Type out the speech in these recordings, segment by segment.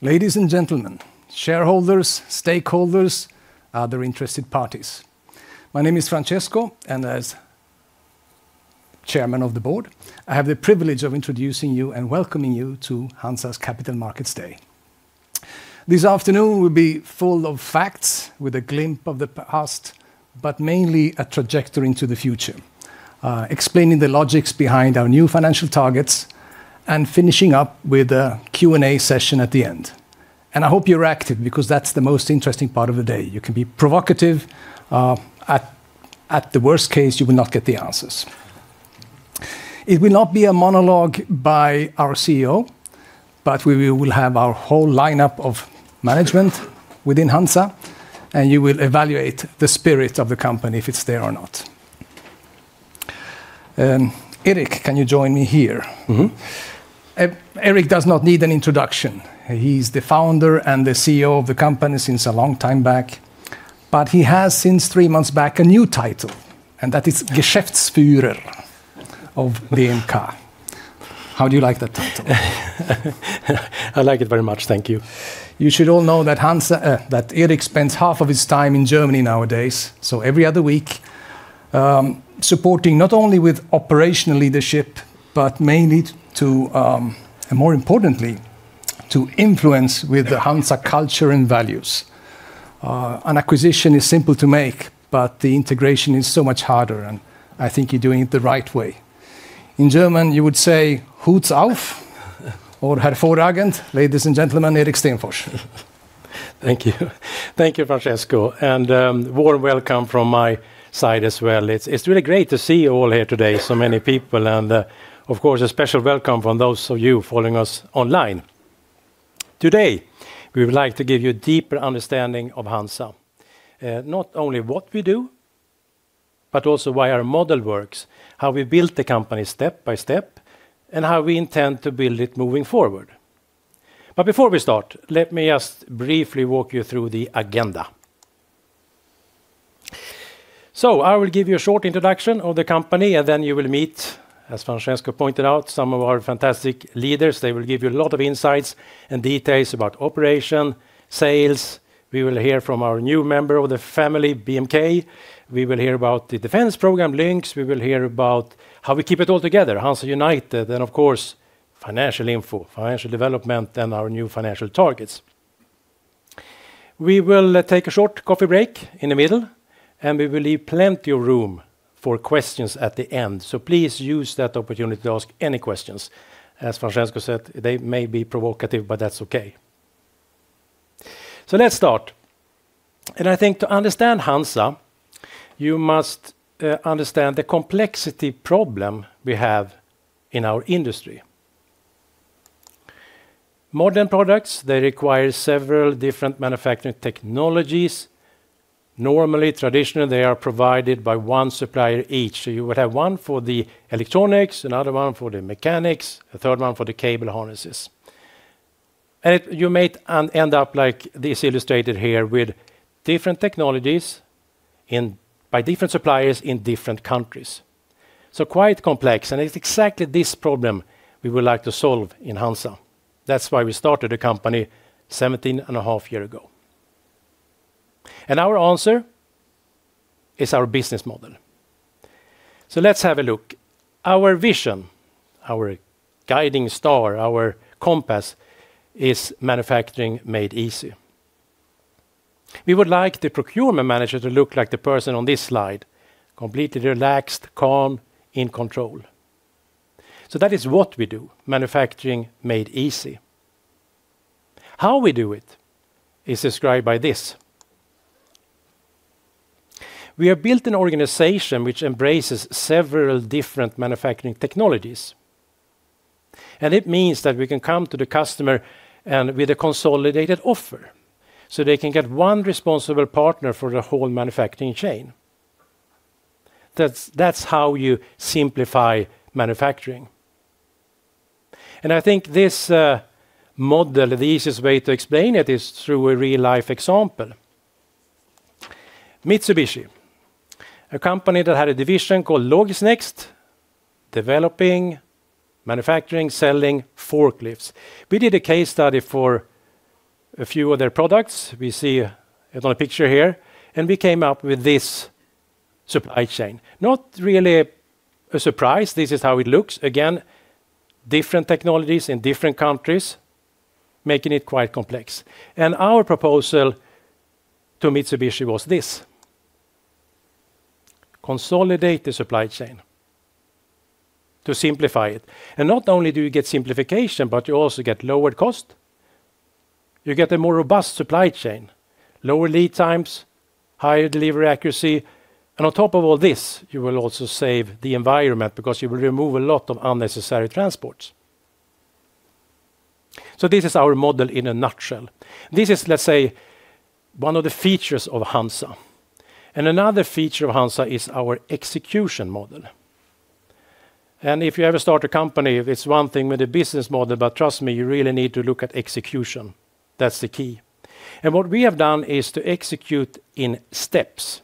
Ladies and gentlemen, shareholders, stakeholders, other interested parties. My name is Francesco, and as chairman of the board, I have the privilege of introducing you and welcoming you to HANZA's Capital Markets Day. This afternoon will be full of facts with a glimpse of the past, but mainly a trajectory into the future, explaining the logics behind our new financial targets and finishing up with a Q&A session at the end. I hope you're active because that's the most interesting part of the day. You can be provocative, at the worst case, you will not get the answers. It will not be a monologue by our CEO, but we will have our whole lineup of management within HANZA, and you will evaluate the spirit of the company, if it's there or not. Erik, can you join me here? Mm-hmm. Erik does not need an introduction. He's the founder and the CEO of the company since a long time back, but he has since three months back, a new title, and that is Geschäftsführer of BMK. How do you like that title? I like it very much. Thank you. You should all know that HANZA that Erik spends half of his time in Germany nowadays. Every other week supporting not only with operational leadership, but mainly to, and more importantly, to influence with the HANZA culture and values. An acquisition is simple to make, but the integration is so much harder, and I think you're doing it the right way. In German, you would say, "Hut ab" or "hervorragend." Ladies and gentlemen, Erik Stenfors. Thank you. Thank you, Francesco. Warm welcome from my side as well. It's really great to see you all here today, so many people, and of course, a special welcome from those of you following us online. Today, we would like to give you a deeper understanding of HANZA, not only what we do, but also why our model works, how we built the company step by step, and how we intend to build it moving forward. Before we start, let me just briefly walk you through the agenda. I will give you a short introduction of the company, and then you will meet, as Francesco pointed out, some of our fantastic leaders. They will give you a lot of insights and details about operation, sales. We will hear from our new member of the family, BMK. We will hear about the defense program Lynx. We will hear about how we keep it all together, Hansa United, and of course, financial info, financial development, and our new financial targets. We will take a short coffee break in the middle, and we will leave plenty of room for questions at the end. Please use that opportunity to ask any questions. As Francesco said, they may be provocative, but that's okay. Let's start. I think to understand HANZA, you must understand the complexity problem we have in our industry. Modern products, they require several different manufacturing technologies. Normally, traditionally, they are provided by one supplier each. You would have one for the electronics, another one for the mechanics, a third one for the cable harnesses. You might end up like this illustrated here with different technologies by different suppliers in different countries. Quite complex, and it's exactly this problem we would like to solve in HANZA. That's why we started a company 17.5 years ago. Our answer is our business model. Let's have a look. Our vision, our guiding star, our compass is manufacturing made easy. We would like the procurement manager to look like the person on this slide, completely relaxed, calm, in control. That is what we do, manufacturing made easy. How we do it is described by this. We have built an organization which embraces several different manufacturing technologies, and it means that we can come to the customer and with a consolidated offer, so they can get one responsible partner for the whole manufacturing chain. That's how you simplify manufacturing. I think this model, the easiest way to explain it is through a real-life example. Mitsubishi, a company that had a division called Logisnext, developing, manufacturing, selling forklifts. We did a case study for a few of their products. We see it on a picture here, and we came up with this supply chain. Not really a surprise. This is how it looks. Again, different technologies in different countries, making it quite complex. Our proposal to Mitsubishi was this. Consolidate the supply chain to simplify it. Not only do you get simplification, but you also get lowered cost. You get a more robust supply chain, lower lead times, higher delivery accuracy. On top of all this, you will also save the environment because you will remove a lot of unnecessary transports. This is our model in a nutshell. This is, let's say, one of the features of HANZA. Another feature of HANZA is our execution model. If you ever start a company, it's one thing with a business model, but trust me, you really need to look at execution. That's the key. What we have done is to execute in steps.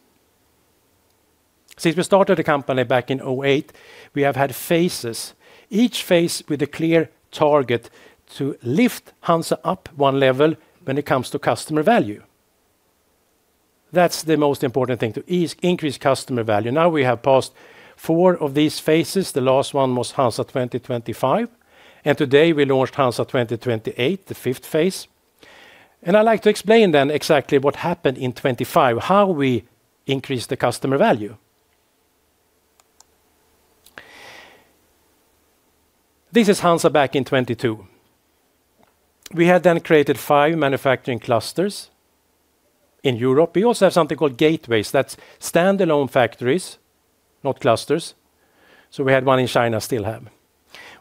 Since we started the company back in 2008, we have had phases, each phase with a clear target to lift HANZA up one level when it comes to customer value. That's the most important thing, to increase customer value. Now we have passed four of these phases. The last one was HANZA 2025, and today we launched HANZA 2028, the fifth phase. I like to explain then exactly what happened in 2025, how we increased the customer value. This is HANZA back in 2022. We had then created five manufacturing clusters in Europe. We also have something called gateways. That's standalone factories, not clusters. We had one in China, still have.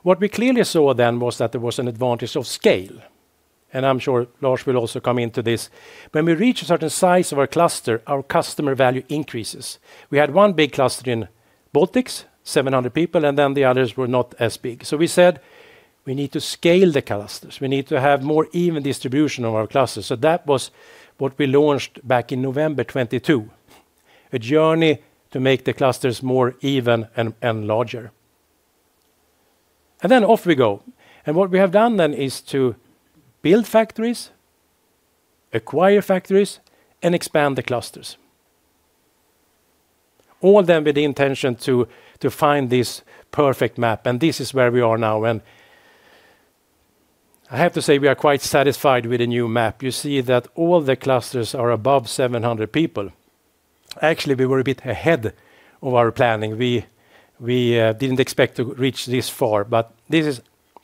What we clearly saw then was that there was an advantage of scale, and I'm sure Lars will also come into this. When we reach a certain size of our cluster, our customer value increases. We had one big cluster in the Baltics, 700 people, and then the others were not as big. We said, we need to scale the clusters. We need to have more even distribution of our clusters. That was what we launched back in November 2022, a journey to make the clusters more even and larger. Then off we go. What we have done then is to build factories, acquire factories, and expand the clusters, all of them with the intention to find this perfect map, and this is where we are now. I have to say, we are quite satisfied with the new map. You see that all the clusters are above 700 people. Actually, we were a bit ahead of our planning. We didn't expect to reach this far, but this is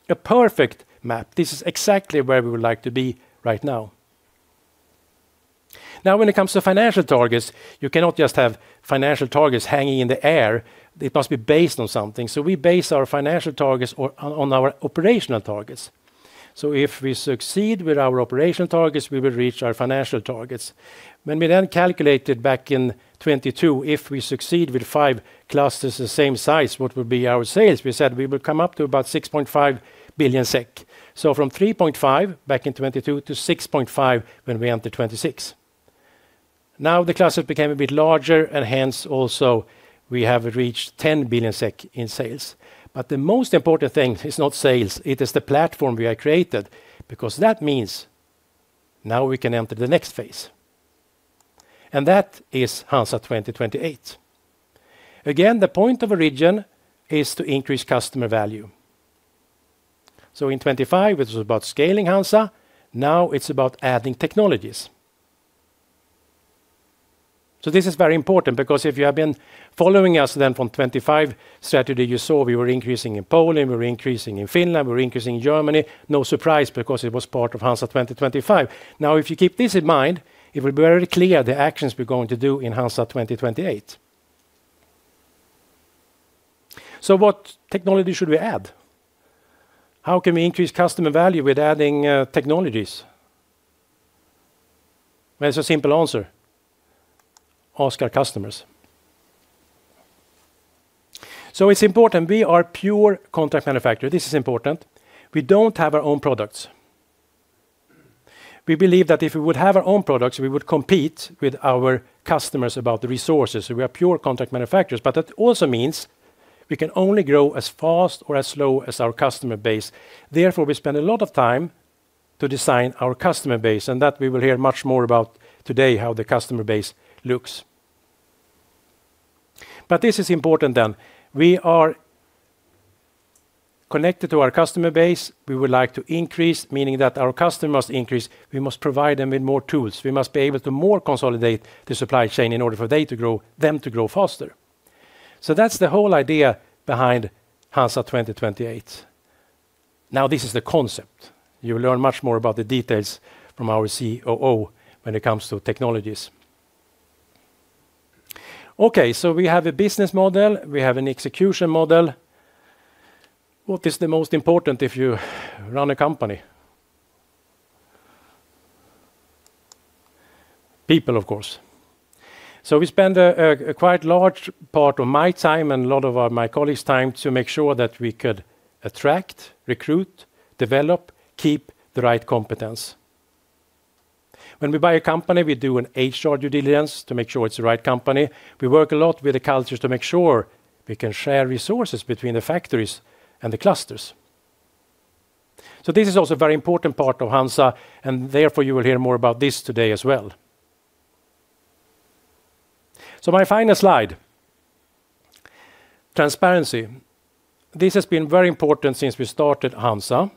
a perfect map. This is exactly where we would like to be right now. Now when it comes to financial targets, you cannot just have financial targets hanging in the air. It must be based on something. We base our financial targets or on our operational targets. If we succeed with our operational targets, we will reach our financial targets. When we then calculated back in 2022, if we succeed with 5 clusters the same size, what would be our sales? We said we will come up to about 6.5 billion SEK. From 3.5 billion back in 2022 to 6.5 billion when we enter 2026. Now the clusters became a bit larger and hence also we have reached 10 billion SEK in sales. The most important thing is not sales, it is the platform we have created because that means now we can enter the next phase, and that is HANZA 2028. Again, the point of origin is to increase customer value. In 2025, it was about scaling HANZA. Now it's about adding technologies. This is very important because if you have been following us then from 2025 strategy, you saw we were increasing in Poland, we were increasing in Finland, we were increasing in Germany. No surprise because it was part of HANZA 2025. Now, if you keep this in mind, it will be very clear the actions we're going to do in HANZA 2028. What technology should we add? How can we increase customer value with adding technologies? There's a simple answer. Ask our customers. It's important we are pure contract manufacturer. This is important. We don't have our own products. We believe that if we would have our own products, we would compete with our customers about the resources. We are pure contract manufacturers, but that also means we can only grow as fast or as slow as our customer base. Therefore, we spend a lot of time to design our customer base, and that we will hear much more about today how the customer base looks. This is important then. We are connected to our customer base. We would like to increase, meaning that our customers increase, we must provide them with more tools. We must be able to more consolidate the supply chain in order for them to grow faster. That's the whole idea behind HANZA 2028. Now this is the concept. You'll learn much more about the details from our COO when it comes to technologies. Okay, we have a business model, we have an execution model. What is the most important if you run a company? People, of course. We spend a quite large part of my time and a lot of my colleagues' time to make sure that we could attract, recruit, develop, keep the right competence. When we buy a company, we do an HR due diligence to make sure it's the right company. We work a lot with the cultures to make sure we can share resources between the factories and the clusters. This is also a very important part of HANZA, and therefore, you will hear more about this today as well. My final slide, transparency. This has been very important since we started HANZA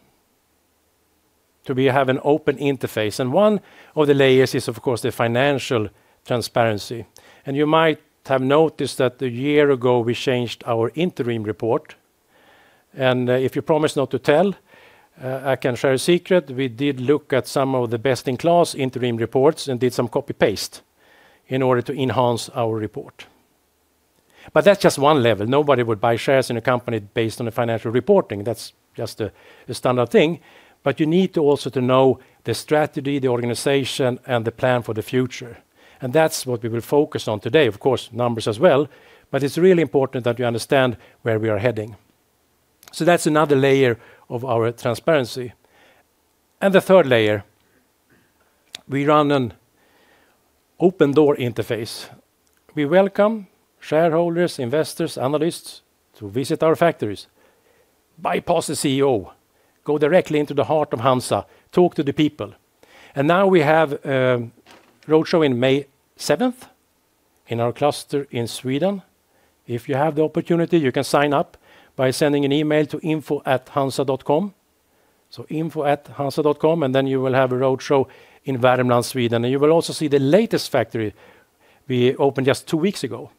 to be, have an open interface, and one of the layers is of course the financial transparency. You might have noticed that a year ago we changed our interim report. If you promise not to tell, I can share a secret. We did look at some of the best-in-class interim reports and did some copy-paste in order to enhance our report. That's just one level. Nobody would buy shares in a company based on the financial reporting. That's just a standard thing. You need to also to know the strategy, the organization, and the plan for the future. That's what we will focus on today, of course, numbers as well, but it's really important that you understand where we are heading. That's another layer of our transparency. The third layer. We run an open door interface. We welcome shareholders, investors, analysts to visit our factories, bypass the CEO, go directly into the heart of HANZA, talk to the people. Now we have roadshow in May 7 in our cluster in Sweden. If you have the opportunity, you can sign up by sending an email to info@hanza.com. Info@hanza.com, and then you will have a roadshow in Värmland, Sweden. You will also see the latest factory we opened just two weeks ago,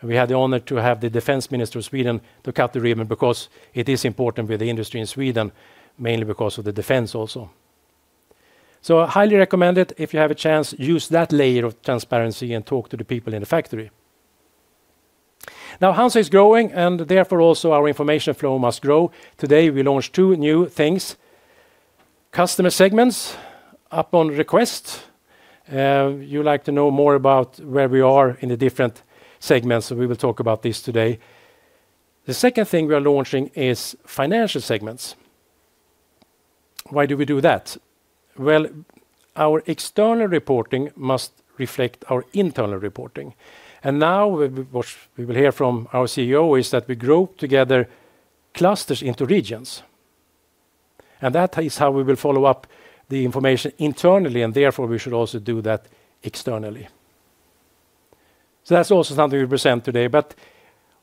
and we had the honor to have the defense minister of Sweden to cut the ribbon because it is important with the industry in Sweden, mainly because of the defense also. I highly recommend it. If you have a chance, use that layer of transparency and talk to the people in the factory. Now, HANZA is growing, and therefore also our information flow must grow. Today, we launched two new things, customer segments upon request. You like to know more about where we are in the different segments, and we will talk about this today. The second thing we are launching is financial segments. Why do we do that? Well, our external reporting must reflect our internal reporting. Now what we will hear from our CEO is that we group together clusters into regions, and that is how we will follow up the information internally, and therefore we should also do that externally. That's also something we present today.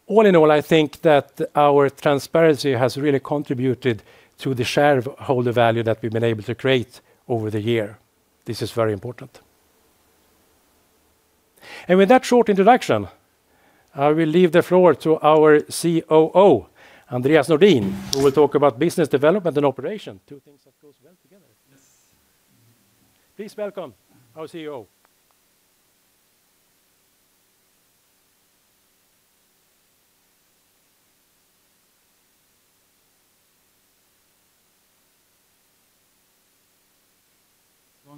All in all, I think that our transparency has really contributed to the shareholder value that we've been able to create over the year. This is very important. With that short introduction, I will leave the floor to our COO, Andreas Nordin, who will talk about business development and operation. Two things that goes well together. Yes. Please welcome our CEO. Going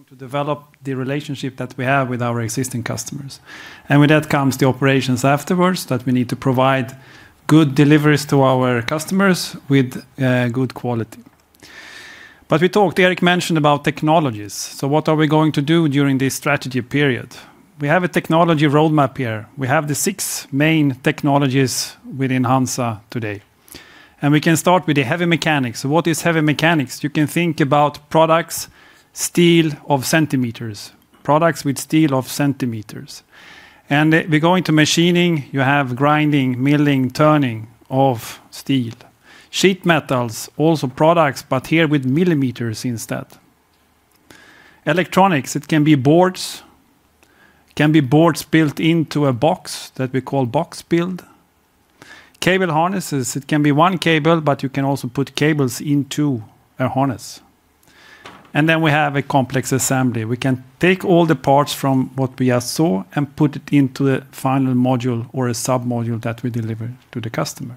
to develop the relationship that we have with our existing customers. With that comes the operations afterwards that we need to provide good deliveries to our customers with, good quality. We talked, Erik mentioned about technologies. What are we going to do during this strategy period? We have a technology roadmap here. We have the six main technologies within HANZA today, and we can start with the heavy mechanics. What is heavy mechanics? You can think about products, steel of centimeters, products with steel of centimeters. We go into machining, you have grinding, milling, turning of steel. Sheet metals, also products, but here with millimeters instead. Electronics, it can be boards, can be boards built into a box that we call Box Build. Cable harnesses, it can be one cable, but you can also put cables into a harness. Then we have a complex assembly. We can take all the parts from what we just saw and put it into a final module or a sub-module that we deliver to the customer.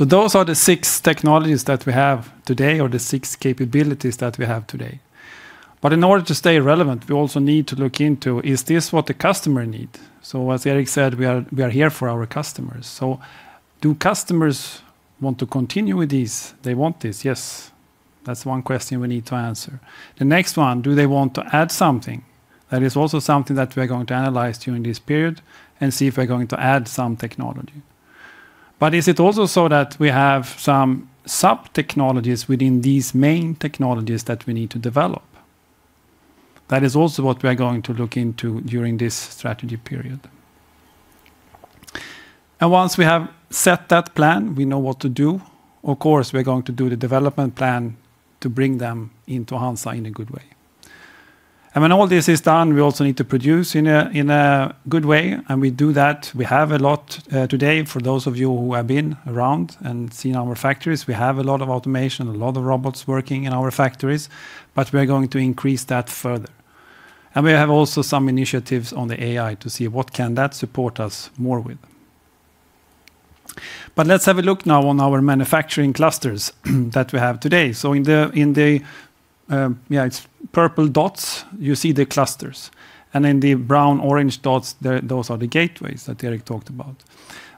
Those are the six technologies that we have today or the six capabilities that we have today. In order to stay relevant, we also need to look into, is this what the customer need? As Erik said, we are here for our customers. Do customers want to continue with this? They want this? Yes. That's one question we need to answer. The next one, do they want to add something? That is also something that we're going to analyze during this period and see if we're going to add some technology. Is it also so that we have some sub-technologies within these main technologies that we need to develop? That is also what we are going to look into during this strategy period. Once we have set that plan, we know what to do. Of course, we're going to do the development plan to bring them into HANZA in a good way. When all this is done, we also need to produce in a good way, and we do that. We have a lot today, for those of you who have been around and seen our factories, we have a lot of automation, a lot of robots working in our factories, but we're going to increase that further. We have also some initiatives on the AI to see what can that support us more with. Let's have a look now on our manufacturing clusters that we have today. In the, it's purple dots, you see the clusters. In the brown, orange dots, those are the gateways that Erik talked about.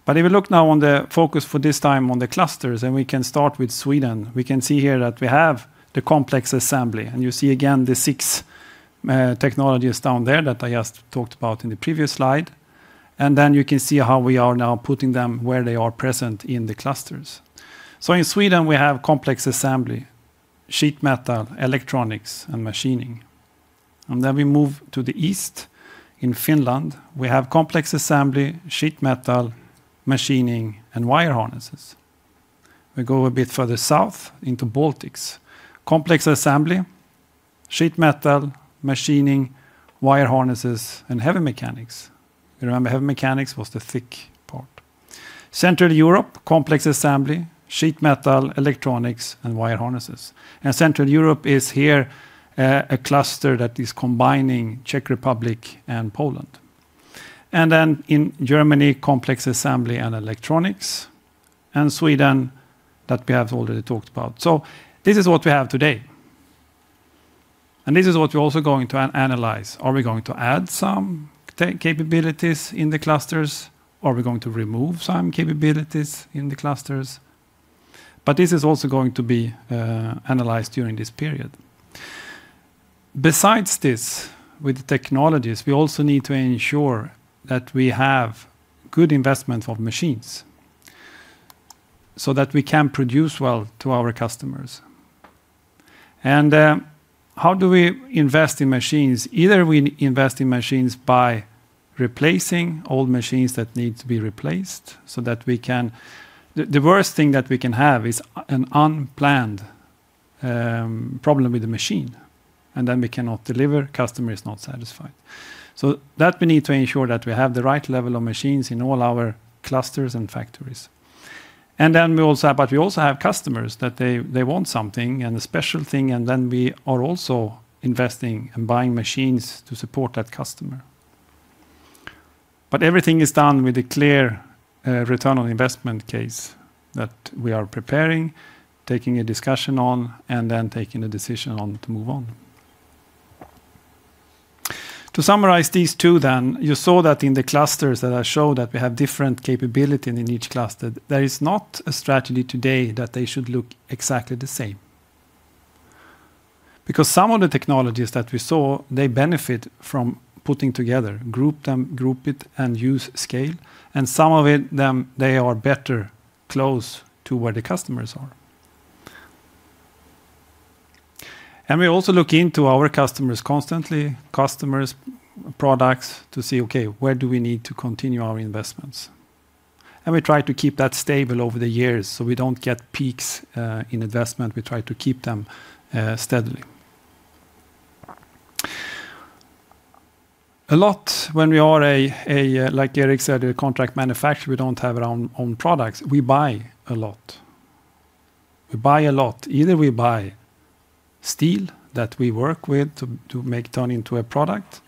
If we look now on the focus for this time on the clusters, we can start with Sweden. We can see here that we have the complex assembly. You see again the 6 technologies down there that I just talked about in the previous slide. You can see how we are now putting them where they are present in the clusters. In Sweden, we have complex assembly, sheet metal, electronics, and machining. We move to the east. In Finland, we have complex assembly, sheet metal, machining, and wire harnesses. We go a bit further south into the Baltics, complex assembly, sheet metal, machining, wire harnesses, and heavy mechanics. You remember, heavy mechanics was the thick part. In Central Europe, complex assembly, sheet metal, electronics, and wire harnesses. Central Europe is here, a cluster that is combining Czech Republic and Poland. In Germany, complex assembly and electronics, and Sweden that we have already talked about. This is what we have today. This is what we're also going to analyze. Are we going to add some tech capabilities in the clusters? Are we going to remove some capabilities in the clusters? This is also going to be analyzed during this period. Besides this, with the technologies, we also need to ensure that we have good investment of machines so that we can produce well to our customers. How do we invest in machines? Either we invest in machines by replacing old machines that need to be replaced so that we can... The worst thing that we can have is an unplanned problem with the machine, and then we cannot deliver, customer is not satisfied. That we need to ensure that we have the right level of machines in all our clusters and factories. We also have customers that they want something and a special thing, and then we are also investing and buying machines to support that customer. Everything is done with a clear return on investment case that we are preparing, taking a discussion on, and then taking a decision on to move on. To summarize these two then, you saw that in the clusters that I showed that we have different capability in each cluster. There is not a strategy today that they should look exactly the same. Because some of the technologies that we saw, they benefit from putting together, grouping them, and using scale, and some of them they are better close to where the customers are. We also look into our customers constantly, customers, products to see, okay, where do we need to continue our investments? We try to keep that stable over the years, so we don't get peaks in investment. We try to keep them steadily. A lot when we are, like Erik said, a contract manufacturer, we don't have our own products. We buy a lot. Either we buy steel that we work with to make turn into a product,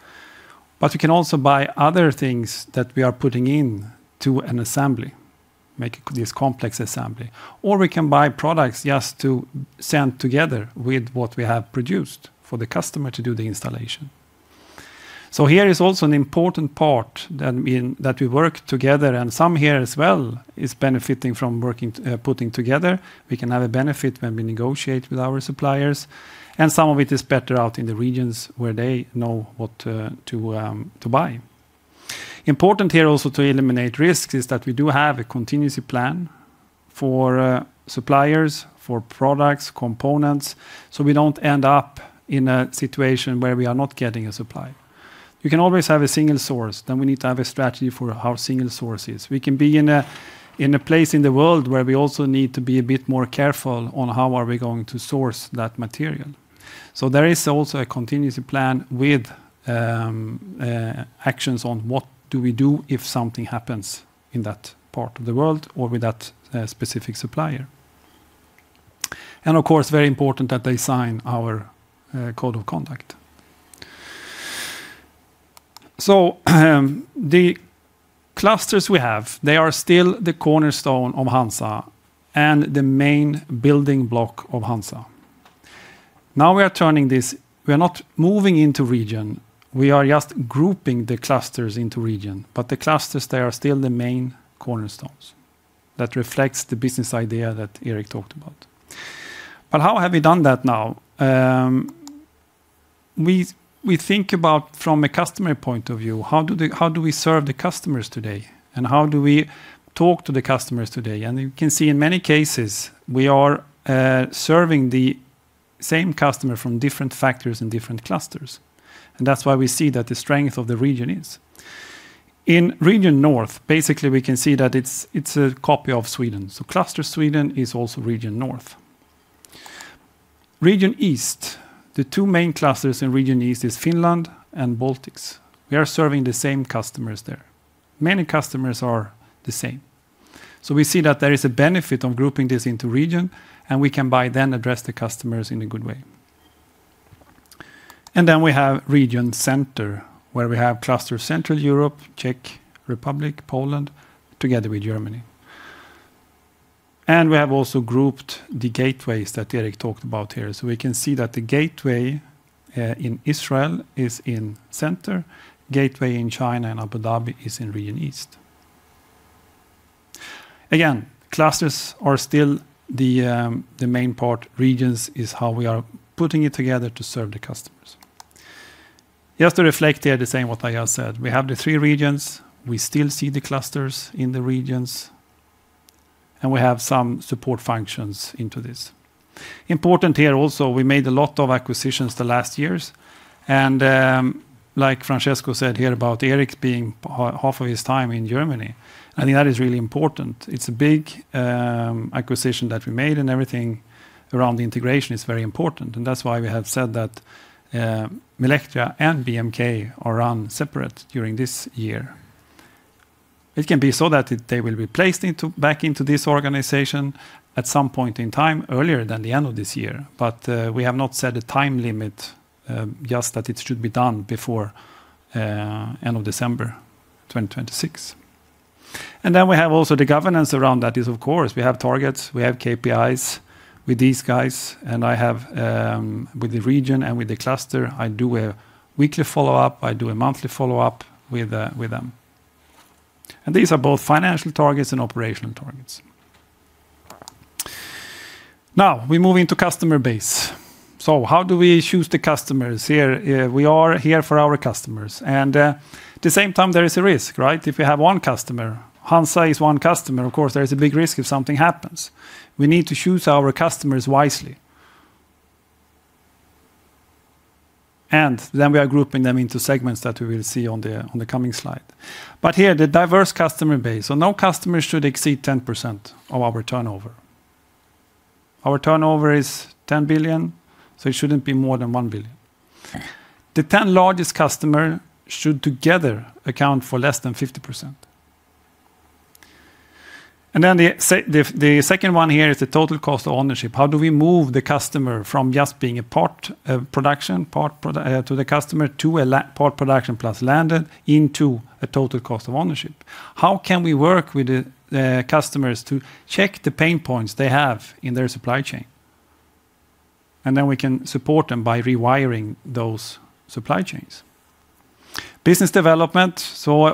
but we can also buy other things that we are putting in to an assembly, make this complex assembly, or we can buy products just to send together with what we have produced for the customer to do the installation. Here is also an important part that we work together, and some here as well is benefiting from working putting together. We can have a benefit when we negotiate with our suppliers, and some of it is better out in the regions where they know what to buy. Important here also to eliminate risks is that we do have a contingency plan for suppliers, for products, components, so we don't end up in a situation where we are not getting a supply. We can always have a single source, then we need to have a strategy for our single sources. We can be in a place in the world where we also need to be a bit more careful on how we are going to source that material. There is also a contingency plan with actions on what we do if something happens in that part of the world or with that specific supplier. Of course, very important that they sign our code of conduct. The clusters we have, they are still the cornerstone of HANZA and the main building block of HANZA. Now we are turning this, we are not moving into Region, we are just grouping the clusters into Region, but the clusters, they are still the main cornerstones. That reflects the business idea that Erik talked about. How have we done that now? We think about from a customer point of view, how do we serve the customers today, and how do we talk to the customers today? You can see in many cases, we are serving the same customer from different factories and different clusters. That's why we see that the strength of the region is. In Region North, basically, we can see that it's a copy of Sweden. Cluster Sweden is also Region North. Region East, the two main clusters in Region East is Finland and Baltics. We are serving the same customers there. Many customers are the same. We see that there is a benefit of grouping this into region, and we can by then address the customers in a good way. We have Region Center, where we have Cluster Central Europe, Czech Republic, Poland, together with Germany. We have also grouped the gateways that Erik talked about here. We can see that the gateway in Israel is in center, gateway in China and Abu Dhabi is in Region East. Again, clusters are still the main part. Regions is how we are putting it together to serve the customers. Just to reflect here the same what I have said, we have the three regions, we still see the clusters in the regions, and we have some support functions into this. Important here also, we made a lot of acquisitions the last years, and, like Francesco said here about Erik being half of his time in Germany, I think that is really important. It's a big acquisition that we made, and everything around the integration is very important. That's why we have said that, Milectria and BMK are run separate during this year. It can be so that they will be placed into, back into this organization at some point in time earlier than the end of this year, but we have not set a time limit, just that it should be done before end of December 2026. Then we have also the governance around that is, of course, we have targets, we have KPIs with these guys, and I have, with the region and with the cluster, I do a weekly follow-up, I do a monthly follow-up with them. These are both financial targets and operational targets. Now, we move into customer base. How do we choose the customers here? We are here for our customers, and at the same time, there is a risk, right? If you have one customer, HANZA is one customer, of course, there is a big risk if something happens. We need to choose our customers wisely. We are grouping them into segments that we will see on the coming slide. Here, the diverse customer base. No customer should exceed 10% of our turnover. Our turnover is 10 billion, so it shouldn't be more than 1 billion. The 10 largest customers should together account for less than 50%. The second one here is the total cost of ownership. How do we move the customer from just being a part of production to the customer to part production plus landed into a total cost of ownership? How can we work with the customers to check the pain points they have in their supply chain? We can support them by rewiring those supply chains. Business development.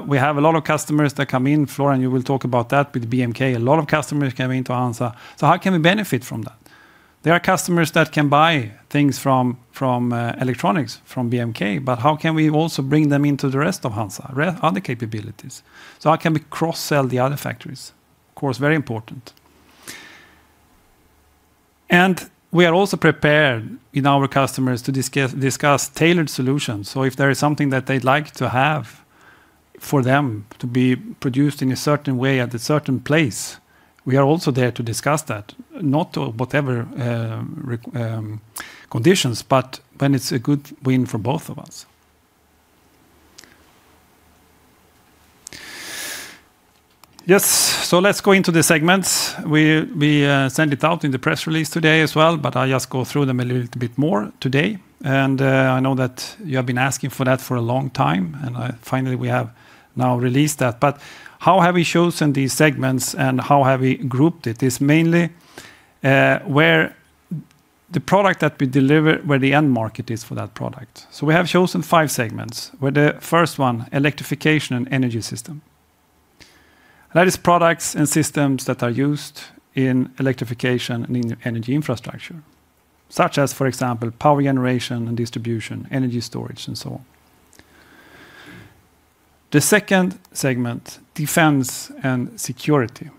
We have a lot of customers that come in. Florian, you will talk about that with BMK. A lot of customers coming to HANZA. How can we benefit from that? There are customers that can buy things from electronics from BMK, but how can we also bring them into the rest of HANZA, other capabilities? How can we cross-sell the other factories? Of course, very important. We are also prepared with our customers to discuss tailored solutions. If there is something that they'd like to have for them to be produced in a certain way at a certain place, we are also there to discuss that. Not to rehash conditions, but when it's a good win for both of us. Yes. Let's go into the segments. We sent it out in the press release today as well, but I just go through them a little bit more today. I know that you have been asking for that for a long time, and finally we have now released that. How have we chosen these segments, and how have we grouped it? It's mainly where the product that we deliver, where the end market is for that product. We have chosen five segments, with the first one, electrification and energy system. That is products and systems that are used in electrification and in energy infrastructure, such as, for example, power generation and distribution, energy storage, and so on. The second segment, defense and security.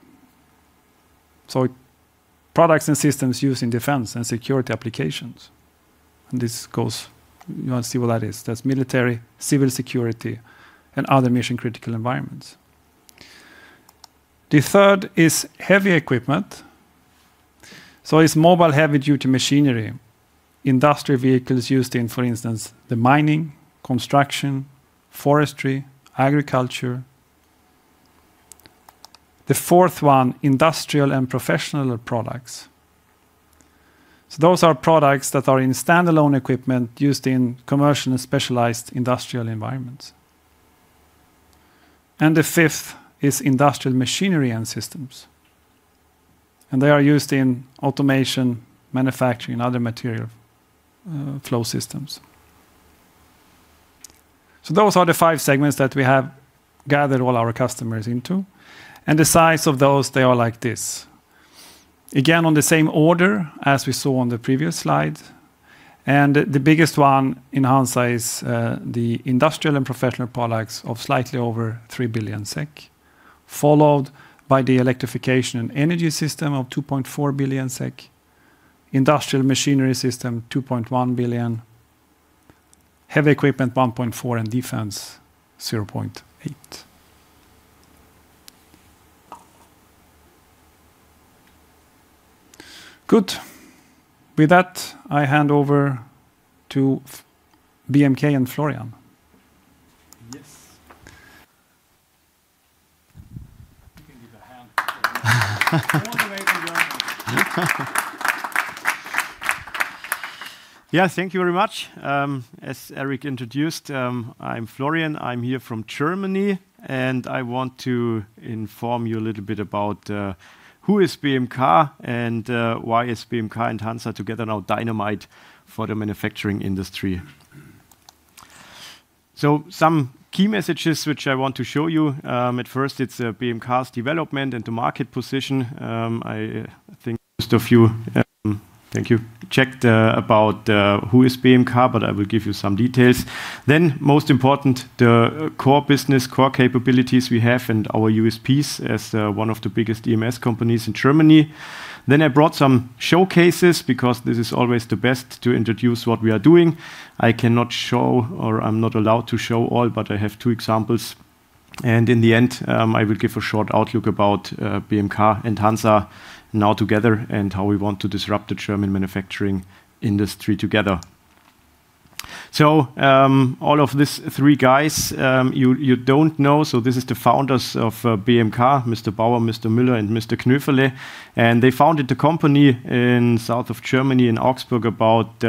Products and systems used in defense and security applications. This goes, you will see what that is. That's military, civil security, and other mission-critical environments. The third is heavy equipment. It's mobile heavy-duty machinery, industrial vehicles used in, for instance, the mining, construction, forestry, agriculture. The fourth one, industrial and professional products. Those are products that are in standalone equipment used in commercial and specialized industrial environments. The fifth is industrial machinery and systems, and they are used in automation, manufacturing, other material, flow systems. Those are the five segments that we have gathered all our customers into. The size of those, they are like this. Again, on the same order as we saw on the previous slide, the biggest one in HANZA is the industrial and professional products of slightly over 3 billion SEK, followed by the electrification and energy system of 2.4 billion SEK, industrial machinery system, 2.1 billion, heavy equipment, 1.4 billion, and defense, 0.8 billion. Good. With that, I hand over to BMK and Florian. Yes. You can give a hand for Erik. Wonderful work. Yeah, thank you very much. As Erik introduced, I'm Florian. I'm here from Germany, and I want to inform you a little bit about who is BMK and why is BMK and HANZA together now dynamite for the manufacturing industry. Some key messages which I want to show you. At first it's BMK's development and the market position. I think just a few have checked about who is BMK, but I will give you some details. Most important, the core business, core capabilities we have and our USPs as one of the biggest EMS companies in Germany. I brought some showcases because this is always the best to introduce what we are doing. I cannot show or I'm not allowed to show all, but I have two examples. In the end, I will give a short outlook about BMK and HANZA now together and how we want to disrupt the German manufacturing industry together. All of these three guys, you don't know. This is the founders of BMK, Mr. Baur, Mr. Müller, and Mr. Knöferl. They founded the company in south of Germany in Augsburg about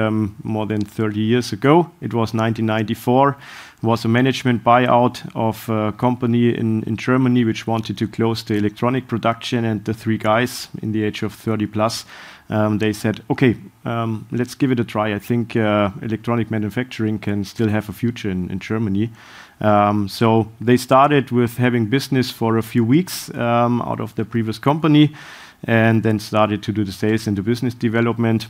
more than 30 years ago. It was 1994, a management buyout of a company in Germany which wanted to close the electronics production, and the three guys in the age of 30+, they said, "Okay, let's give it a try. I think electronic manufacturing can still have a future in Germany. They started with having business for a few weeks out of the previous company and then started to do the sales and the business development.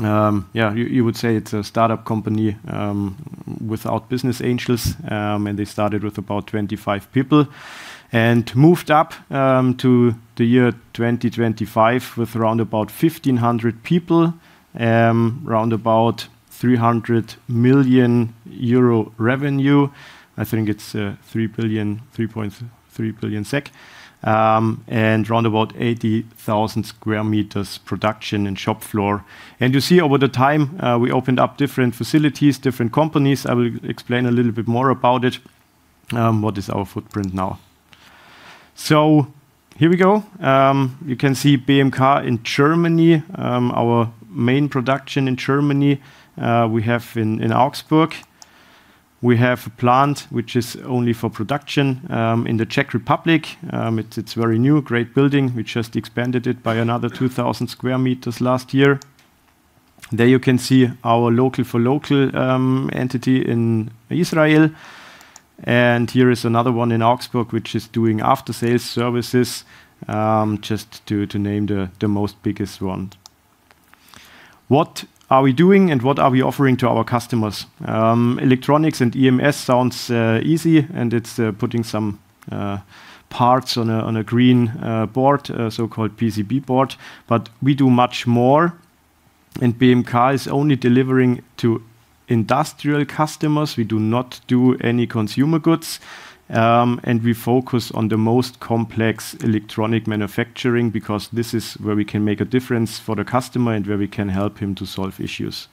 Yeah, you would say it's a startup company without business angels, and they started with about 25 people and moved up to the year 2025 with around about 1,500 people, around about 300 million euro revenue. I think it's three billion, 3.3 billion SEK, and around about 80,000 square meters production and shop floor. You see over the time we opened up different facilities, different companies. I will explain a little bit more about it, what is our footprint now. Here we go. You can see BMK in Germany. Our main production in Germany we have in Augsburg. We have a plant which is only for production in the Czech Republic. It's very new, great building. We just expanded it by another 2,000 square meters last year. There you can see our local for local entity in Israel. Here is another one in Augsburg which is doing after-sales services just to name the most biggest one. What are we doing and what are we offering to our customers? Electronics and EMS sounds easy, and it's putting some parts on a green board, a so-called PCB board. We do much more, and BMK is only delivering to industrial customers. We do not do any consumer goods, and we focus on the most complex electronic manufacturing because this is where we can make a difference for the customer and where we can help him to solve issues.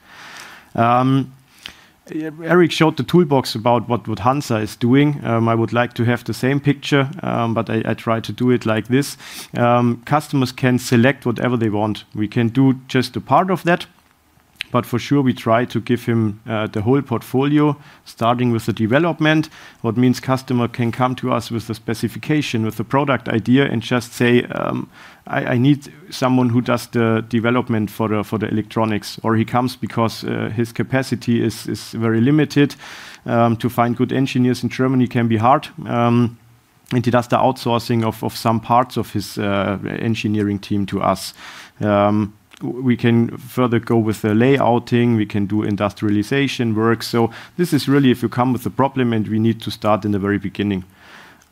Erik showed the toolbox about what HANZA is doing. I would like to have the same picture, but I try to do it like this. Customers can select whatever they want. We can do just a part of that, but for sure, we try to give him the whole portfolio starting with the development, which means customer can come to us with the specification, with the product idea and just say, "I need someone who does the development for the electronics." Or he comes because his capacity is very limited to find good engineers in Germany can be hard. He does the outsourcing of some parts of his engineering team to us. We can further go with the layouting, we can do industrialization work. This is really if you come with a problem and we need to start in the very beginning.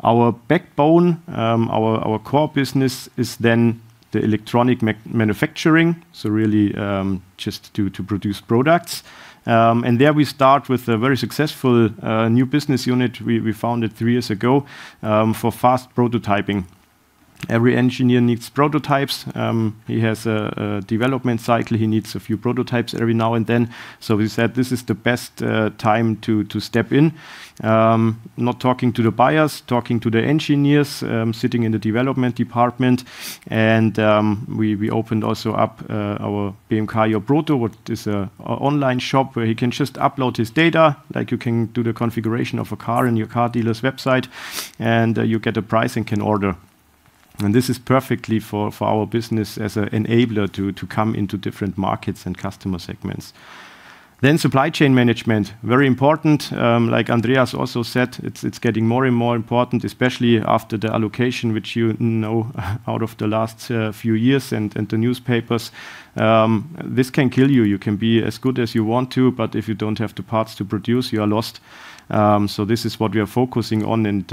Our backbone, our core business is then the electronic manufacturing, so really, just to produce products. There we start with a very successful new business unit. We found it three years ago for fast prototyping. Every engineer needs prototypes. He has a development cycle. He needs a few prototypes every now and then. We said, "This is the best time to step in." Not talking to the buyers, talking to the engineers, sitting in the development department. We opened also up our BMKyourproto, what is an online shop where he can just upload his data, like you can do the configuration of a car in your car dealer's website, and you get a price and can order. This is perfectly for our business as an enabler to come into different markets and customer segments. Supply chain management, very important. Like Andreas also said, it's getting more and more important, especially after the allocation which you know out of the last few years and the newspapers. This can kill you. You can be as good as you want to, but if you don't have the parts to produce, you are lost. This is what we are focusing on, and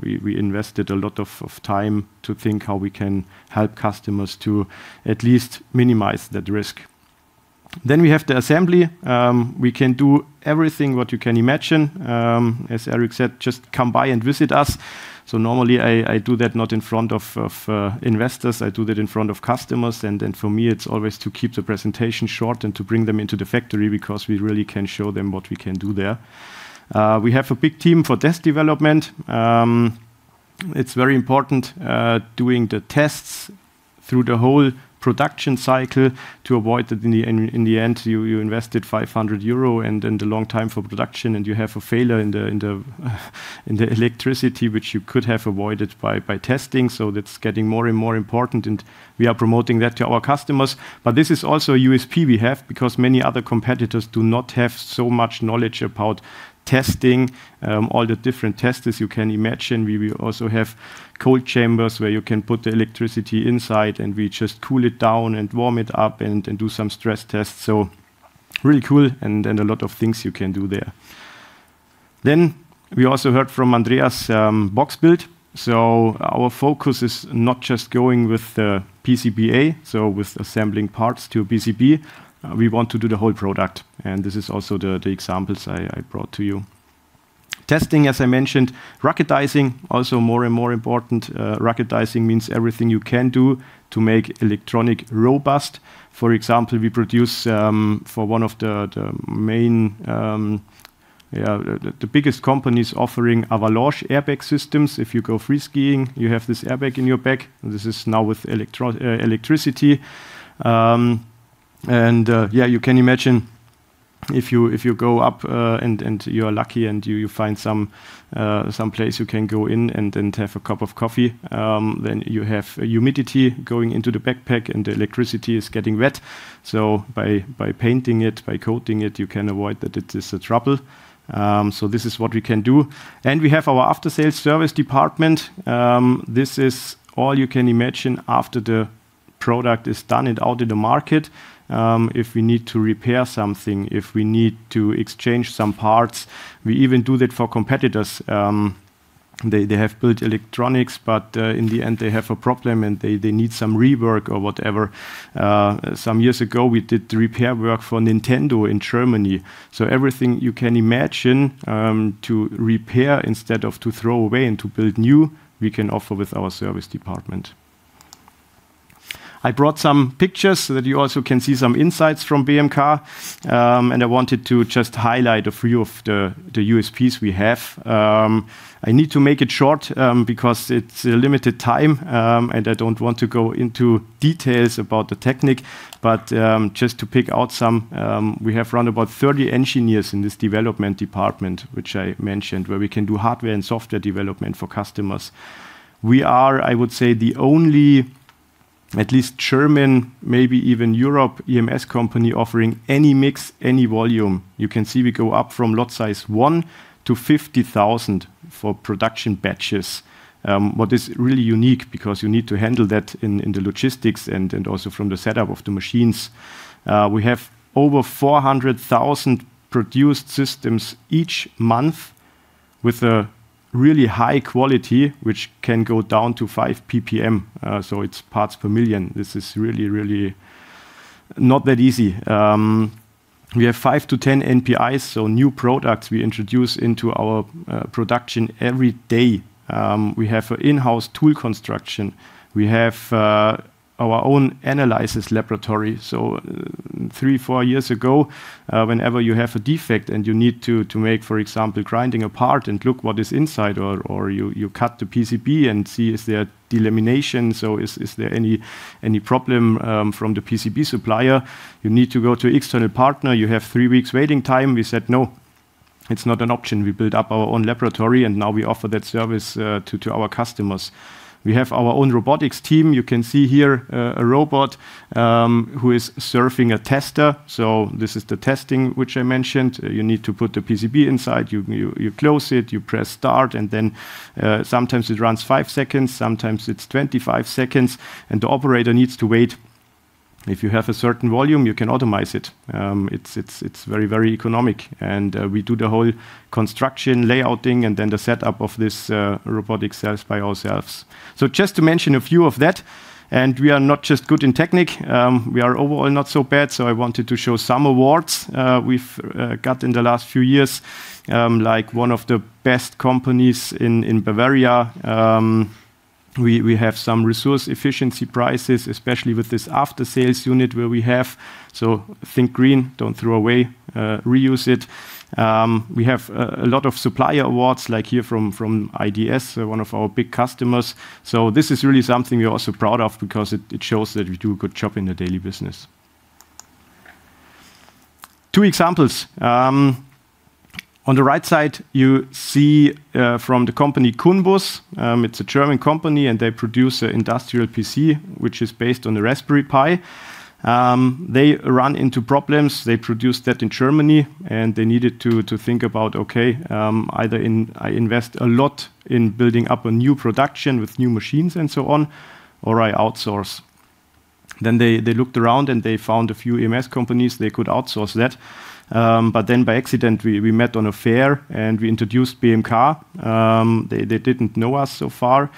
we invested a lot of time to think how we can help customers to at least minimize that risk. We have the assembly. We can do everything what you can imagine. As Erik said, just come by and visit us. Normally I do that not in front of investors. I do that in front of customers. For me, it's always to keep the presentation short and to bring them into the factory because we really can show them what we can do there. We have a big team for test development. It's very important doing the tests through the whole production cycle to avoid that in the end, you invested 500 euro and then the long time for production, and you have a failure in the electricity which you could have avoided by testing. That's getting more and more important, and we are promoting that to our customers. This is also a USP we have because many other competitors do not have so much knowledge about testing, all the different testers you can imagine. We will also have cold chambers where you can put the electronics inside, and we just cool it down and warm it up and do some stress tests. Really cool and a lot of things you can do there. We also heard from Andreas, Box Build. Our focus is not just going with the PCBA, so with assembling parts to PCB, we want to do the whole product, and this is also the examples I brought to you. Testing, as I mentioned. Ruggedizing, also more and more important. Ruggedizing means everything you can do to make electronics robust. For example, we produce for one of the main, the biggest companies offering avalanche airbag systems. If you go free skiing, you have this airbag in your back. This is now with electronics. You can imagine if you go up and you are lucky and you find some place you can go in and then have a cup of coffee, then you have humidity going into the backpack, and the electricity is getting wet. By painting it, by coating it, you can avoid that it is a trouble. This is what we can do. We have our after-sales service department. This is all you can imagine after the product is done and out in the market, if we need to repair something, if we need to exchange some parts, we even do that for competitors. They have built electronics, but in the end, they have a problem and they need some rework or whatever. Some years ago, we did the repair work for Nintendo in Germany. Everything you can imagine to repair instead of to throw away and to build new, we can offer with our service department. I brought some pictures so that you also can see some insights from BMK, and I wanted to just highlight a few of the USPs we have. I need to make it short because it's a limited time, and I don't want to go into details about the technique. Just to pick out some, we have around about 30 engineers in this development department, which I mentioned, where we can do hardware and software development for customers. We are, I would say, the only, at least German, maybe even European EMS company offering any mix, any volume. You can see we go up from lot size 1 to 50,000 for production batches. What is really unique because you need to handle that in the logistics and also from the setup of the machines. We have over 400,000 produced systems each month with a really high quality, which can go down to 5 PPM. So it's parts per million. This is really not that easy. We have 5-10 NPIs, so new products we introduce into our production every day. We have an in-house tool construction. We have our own analysis laboratory. Three, four years ago, whenever you have a defect and you need to make, for example, grinding a part and look what is inside or you cut the PCB and see is there delamination, is there any problem from the PCB supplier, you need to go to external partner. You have three weeks waiting time. We said, "No, it's not an option." We build up our own laboratory, and now we offer that service to our customers. We have our own robotics team. You can see here a robot who is serving a tester. This is the testing which I mentioned. You need to put the PCB inside, you close it, you press start, and then sometimes it runs five seconds, sometimes it's 25 seconds, and the operator needs to wait. If you have a certain volume, you can automate it. It's very, very economic. We do the whole construction, layouting, and then the setup of this robotic cells by ourselves. Just to mention a few of that, we are not just good in technique, we are overall not so bad. I wanted to show some awards we've got in the last few years, like one of the best companies in Bavaria. We have some resource efficiency prizes, especially with this after-sales unit where we have. Think green, don't throw away, reuse it. We have a lot of supplier awards like here from IDS, one of our big customers. This is really something we're also proud of because it shows that we do a good job in the daily business. Two examples. On the right side, you see, from the company KUNBUS. It's a German company, and they produce industrial PC, which is based on the Raspberry Pi. They run into problems. They produce that in Germany, and they needed to think about, okay, either I invest a lot in building up a new production with new machines and so on or I outsource. They looked around, and they found a few EMS companies they could outsource that. But then by accident, we met on a fair, and we introduced BMK. They didn't know us so far,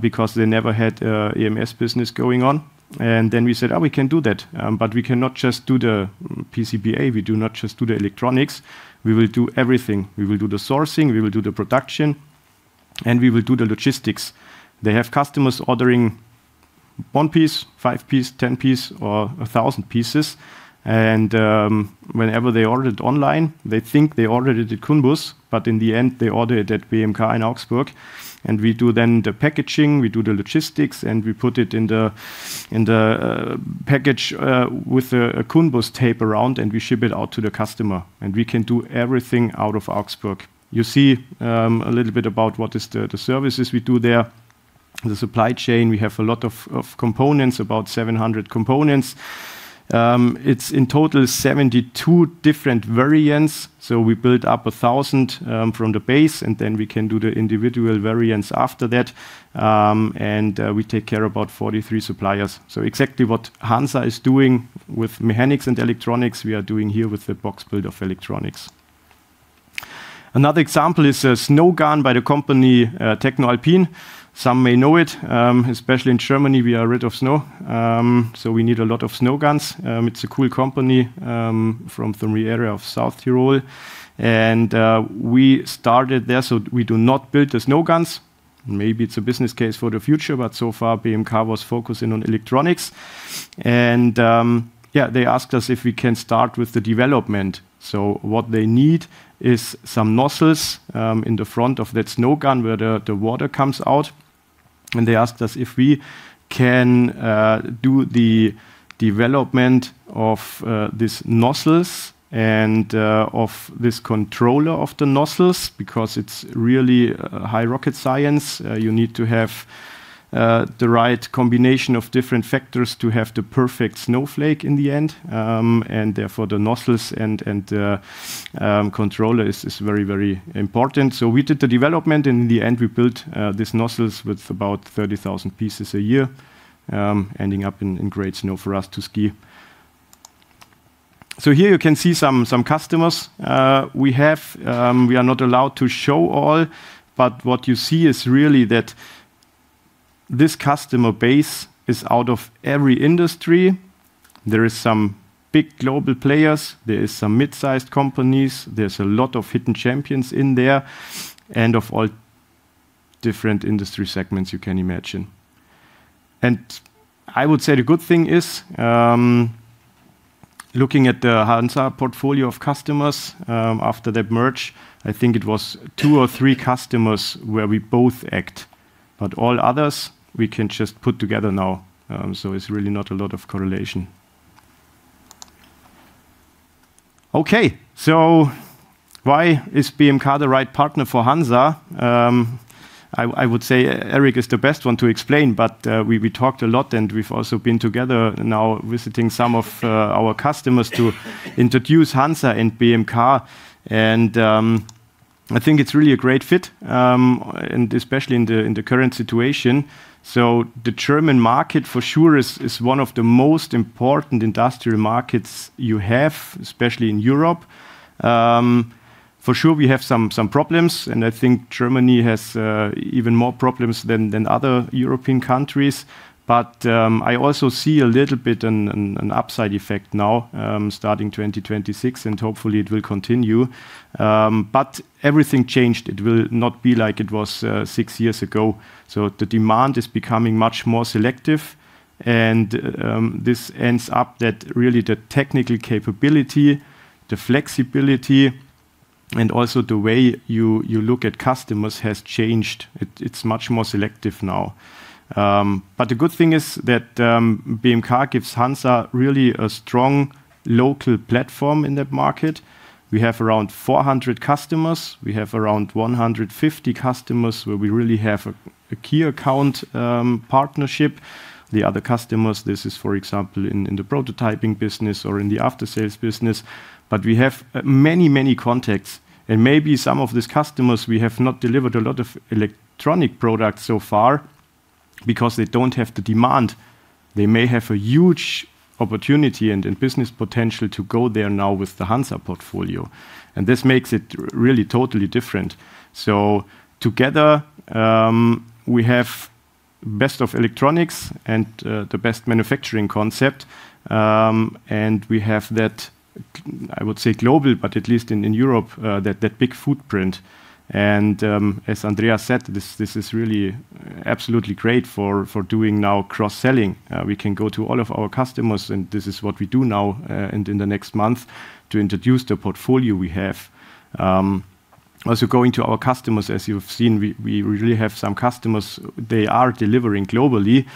because they never had a EMS business going on. We said, "Oh, we can do that." But we cannot just do the PCBA. We do not just do the electronics. We will do everything. We will do the sourcing, we will do the production, and we will do the logistics. They have customers ordering 1 piece, 5 pieces, 10 pieces, or 1,000 pieces. Whenever they order it online, they think they ordered it at KUNBUS, but in the end, they order it at BMK in Augsburg. We do then the packaging, we do the logistics, and we put it in the package with a KUNBUS tape around, and we ship it out to the customer, and we can do everything out of Augsburg. You see a little bit about what is the services we do there. The supply chain, we have a lot of components, about 700 components. It's in total 72 different variants. We build up 1,000 from the base, and then we can do the individual variants after that. We take care of 43 suppliers. Exactly what HANZA is doing with mechanics and electronics, we are doing here with the Box Build of electronics. Another example is a snow gun by the company, TechnoAlpin. Some may know it. Especially in Germany, we are rid of snow, so we need a lot of snow guns. It's a cool company from the area of South Tyrol. We started there, so we do not build the snow guns. Maybe it's a business case for the future, but so far, BMK was focusing on electronics. They asked us if we can start with the development. What they need is some nozzles in the front of that snow gun where the water comes out. They asked us if we can do the development of these nozzles and of this controller of the nozzles because it's really high rocket science. You need to have the right combination of different factors to have the perfect snowflake in the end. Therefore, the nozzles and controller is very important. We did the development. In the end, we built these nozzles with about 30,000 pieces a year, ending up in great snow for us to ski. Here you can see some customers we have. We are not allowed to show all, but what you see is really that this customer base is out of every industry. There is some big global players, there is some mid-sized companies, there's a lot of hidden champions in there, and of all different industry segments you can imagine. I would say the good thing is, looking at the HANZA portfolio of customers, after that merger, I think it was two or three customers where we both act, but all others we can just put together now. It's really not a lot of correlation. Okay. Why is BMK the right partner for HANZA? I would say Erik is the best one to explain, but we talked a lot and we've also been together now visiting some of our customers to introduce HANZA and BMK, and I think it's really a great fit, and especially in the current situation. The German market for sure is one of the most important industrial markets you have, especially in Europe. For sure we have some problems, and I think Germany has even more problems than other European countries. I also see a little bit an upside effect now, starting 2026, and hopefully it will continue. Everything changed. It will not be like it was six years ago, so the demand is becoming much more selective and this ends up that really the technical capability, the flexibility, and also the way you look at customers has changed. It's much more selective now. The good thing is that BMK gives HANZA really a strong local platform in that market. We have around 400 customers. We have around 150 customers where we really have a key account partnership. The other customers, this is, for example, in the prototyping business or in the after-sales business, but we have many contacts and maybe some of these customers we have not delivered a lot of electronic products so far because they don't have the demand. They may have a huge opportunity and business potential to go there now with the HANZA portfolio, and this makes it really totally different. Together, we have best of electronics and the best manufacturing concept. We have that, I would say global, but at least in Europe, that big footprint. As Andreas said, this is really absolutely great for doing now cross-selling. We can go to all of our customers, and this is what we do now, and in the next month to introduce the portfolio we have. Also going to our customers, as you've seen, we really have some customers, they are delivering globally.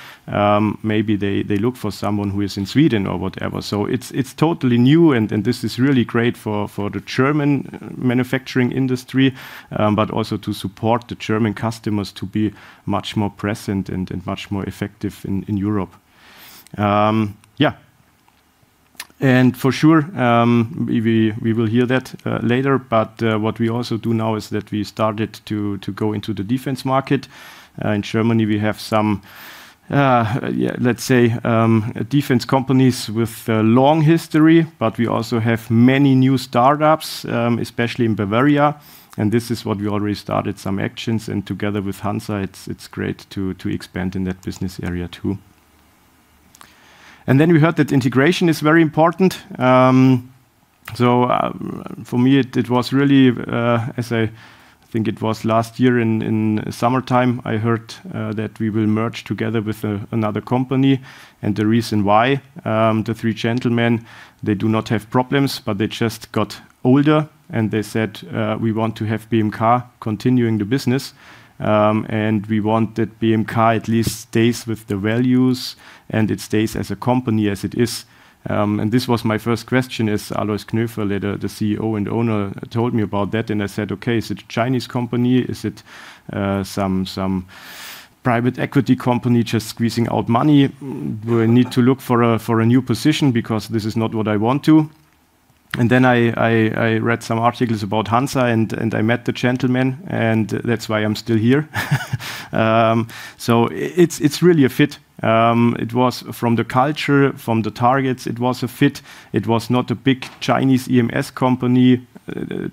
Maybe they look for someone who is in Sweden or whatever. It's totally new and this is really great for the German manufacturing industry, but also to support the German customers to be much more present and much more effective in Europe. For sure, we will hear that later. What we also do now is that we started to go into the defense market. In Germany, we have some defense companies with a long history, but we also have many new startups, especially in Bavaria. This is what we already started some actions and together with HANZA, it's great to expand in that business area too. We heard that integration is very important. For me it was really, as I think it was last year in summertime, I heard that we will merge together with another company. The reason why the three gentlemen, they do not have problems, but they just got older and they said, "We want to have BMK continuing the business, and we want that BMK at least stays with the values and it stays as a company as it is." This was my first question is, Alois Knöferle, the CEO and owner told me about that, and I said, "Okay, is it a Chinese company? Is it some private equity company just squeezing out money? Do I need to look for a new position because this is not what I want to?" Then I read some articles about HANZA and I met the gentleman, and that's why I'm still here. It's really a fit. It was from the culture, from the targets, it was a fit. It was not a big Chinese EMS company,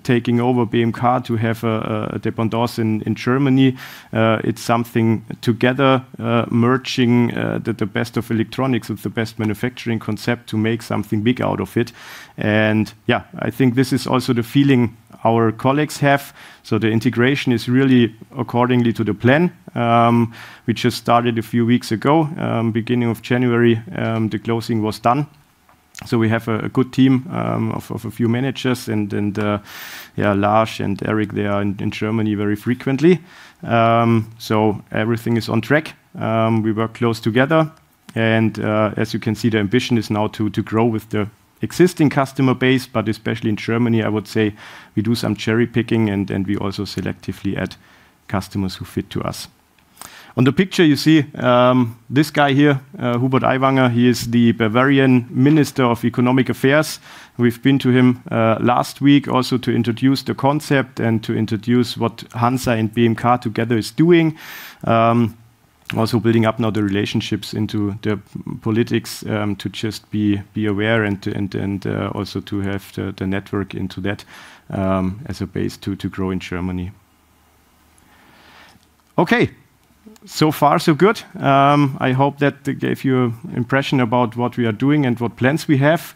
taking over BMK to have a dependence in Germany. It's something together, merging the best of electronics with the best manufacturing concept to make something big out of it. Yeah, I think this is also the feeling our colleagues have. The integration is really according to the plan, which just started a few weeks ago. Beginning of January, the closing was done. We have a good team of a few managers and Lars and Erik. They are in Germany very frequently. Everything is on track. We work close together and as you can see, the ambition is now to grow with the existing customer base, but especially in Germany, I would say we do some cherry-picking and we also selectively add customers who fit to us. On the picture you see this guy here, Hubert Aiwanger. He is the Bavarian Minister of Economic Affairs. We've been to him last week also to introduce the concept and to introduce what HANZA and BMK together is doing. Also building up now the relationships into the politics, to just be aware and also to have the network into that, as a base to grow in Germany. Okay, so far so good. I hope that gave you impression about what we are doing and what plans we have.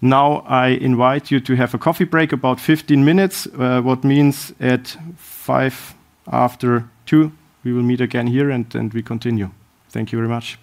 Now I invite you to have a coffee break, about 15 minutes, what means at 2:05, we will meet again here and we continue. Thank you very much.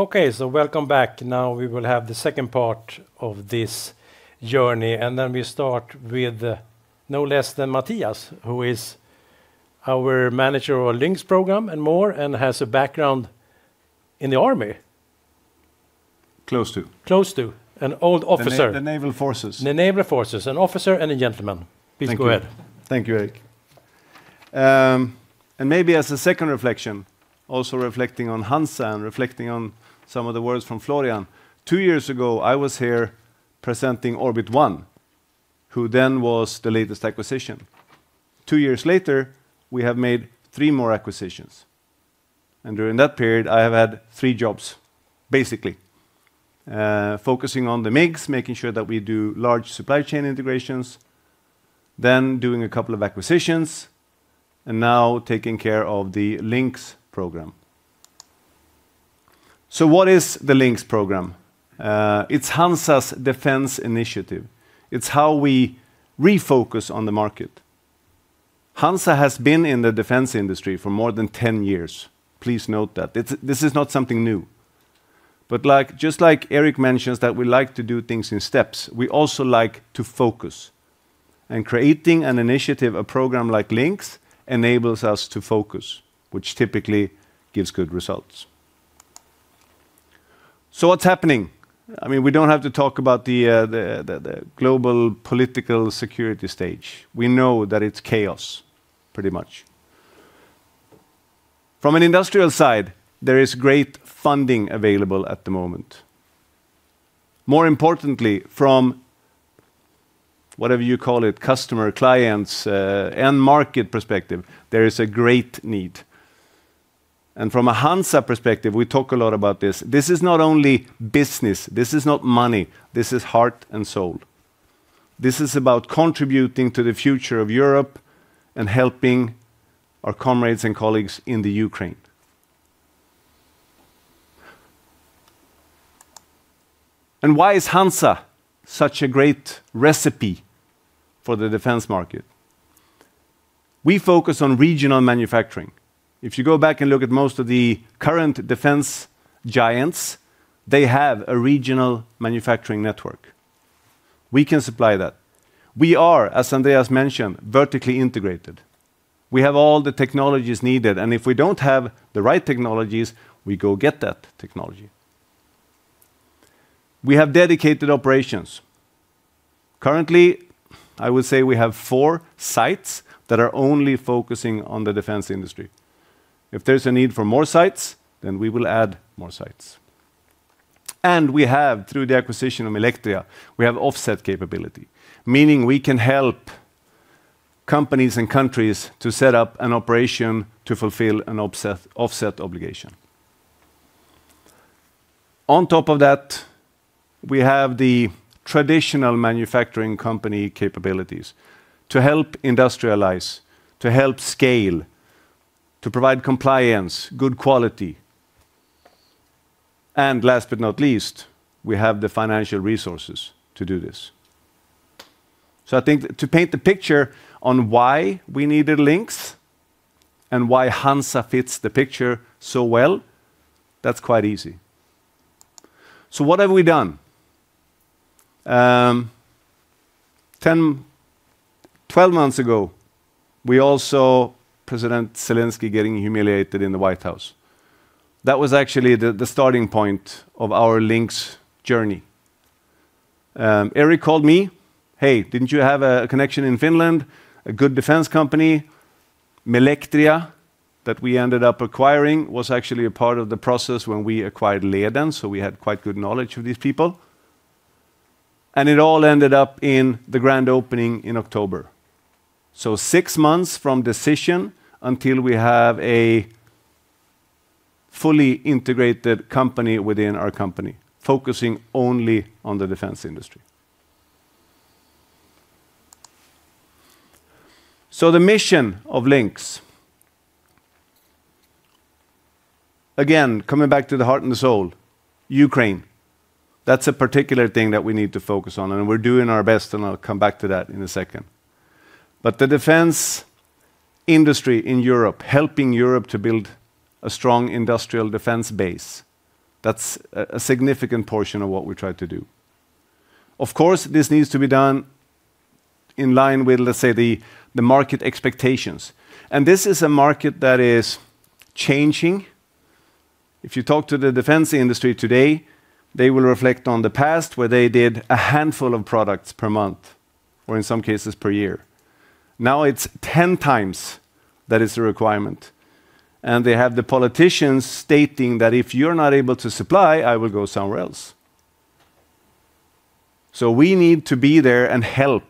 Okay, welcome back. Now we will have the second part of this journey, and then we start with no less than Mattias, who is our manager of our LINX program and more, and has a background in the army. Close to. Close to an old officer. The naval forces. The naval forces. An officer and a gentleman. Thank you. Please go ahead. Thank you, Erik. Maybe as a second reflection, also reflecting on HANZA and reflecting on some of the words from Florian, two years ago, I was here presenting Orbit One, who then was the latest acquisition. Two years later, we have made 3 more acquisitions, and during that period, I have had 3 jobs, basically. Focusing on the MIGs, making sure that we do large supply chain integrations, then doing a couple of acquisitions, and now taking care of the LINX program. What is the LINX program? It's HANZA's defense initiative. It's how we refocus on the market. HANZA has been in the defense industry for more than 10 years. Please note that. This is not something new. Like, just like Erik mentions that we like to do things in steps, we also like to focus. Creating an initiative, a program like LINX, enables us to focus, which typically gives good results. What's happening? I mean, we don't have to talk about the global political security stage. We know that it's chaos pretty much. From an industrial side, there is great funding available at the moment. More importantly, from whatever you call it, customer, clients, and market perspective, there is a great need. From a HANZA perspective, we talk a lot about this. This is not only business, this is not money, this is heart and soul. This is about contributing to the future of Europe and helping our comrades and colleagues in the Ukraine. Why is HANZA such a great recipe for the defense market? We focus on regional manufacturing. If you go back and look at most of the current defense giants, they have a regional manufacturing network. We can supply that. We are, as Andreas mentioned, vertically integrated. We have all the technologies needed, and if we don't have the right technologies, we go get that technology. We have dedicated operations. Currently, I would say we have four sites that are only focusing on the defense industry. If there's a need for more sites, then we will add more sites. We have, through the acquisition of Milectria, we have offset capability, meaning we can help companies and countries to set up an operation to fulfill an offset obligation. On top of that, we have the traditional manufacturing company capabilities to help industrialize, to help scale, to provide compliance, good quality. Last but not least, we have the financial resources to do this. I think to paint the picture on why we needed LINX and why HANZA fits the picture so well, that's quite easy. What have we done? 10-12 months ago, we all saw President Zelenskyy getting humiliated in the White House. That was actually the starting point of our LINX journey. Erik called me, "Hey, didn't you have a connection in Finland, a good defense company?" Milectria, that we ended up acquiring, was actually a part of the process when we acquired Leden, so we had quite good knowledge of these people. It all ended up in the grand opening in October. 6 months from decision until we have a fully integrated company within our company, focusing only on the defense industry. The mission of LINX, again, coming back to the heart and the soul, Ukraine, that's a particular thing that we need to focus on, and we're doing our best, and I'll come back to that in a second. The defense industry in Europe, helping Europe to build a strong industrial defense base, that's a significant portion of what we try to do. Of course, this needs to be done in line with, let's say, the market expectations. This is a market that is changing. If you talk to the defense industry today, they will reflect on the past where they did a handful of products per month, or in some cases per year. Now it's ten times that is the requirement. They have the politicians stating that, "If you're not able to supply, I will go somewhere else." We need to be there and help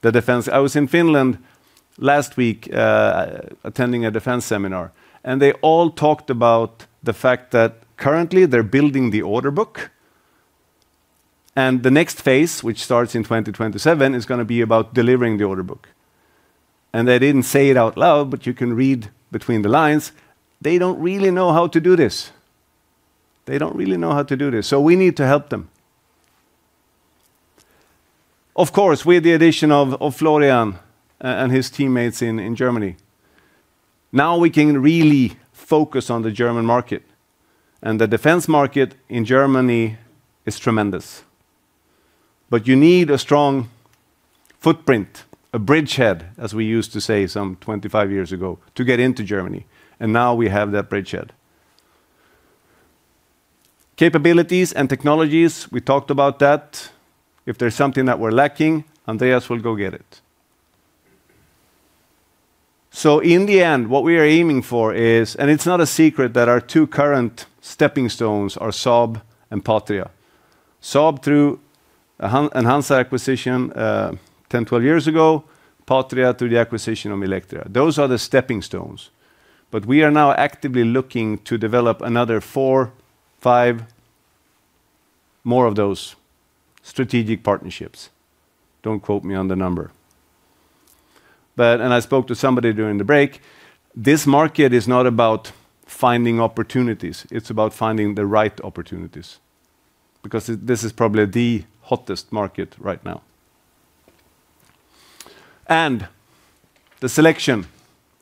the defense. I was in Finland last week, attending a defense seminar, and they all talked about the fact that currently they're building the order book, and the next phase, which starts in 2027, is gonna be about delivering the order book. They didn't say it out loud, but you can read between the lines, they don't really know how to do this. They don't really know how to do this, so we need to help them. Of course, with the addition of Florian and his teammates in Germany, now we can really focus on the German market. The defense market in Germany is tremendous. You need a strong footprint, a bridgehead, as we used to say some 25 years ago, to get into Germany. Now we have that bridgehead. Capabilities and technologies, we talked about that. If there's something that we're lacking, Andreas will go get it. In the end, what we are aiming for is, and it's not a secret that our two current stepping stones are Saab and Patria. Saab through a HANZA acquisition 10, 12 years ago, Patria through the acquisition of Milectria. Those are the stepping stones. We are now actively looking to develop another 4, 5 more of those strategic partnerships. Don't quote me on the number. I spoke to somebody during the break, this market is not about finding opportunities, it's about finding the right opportunities, because this is probably the hottest market right now. The selection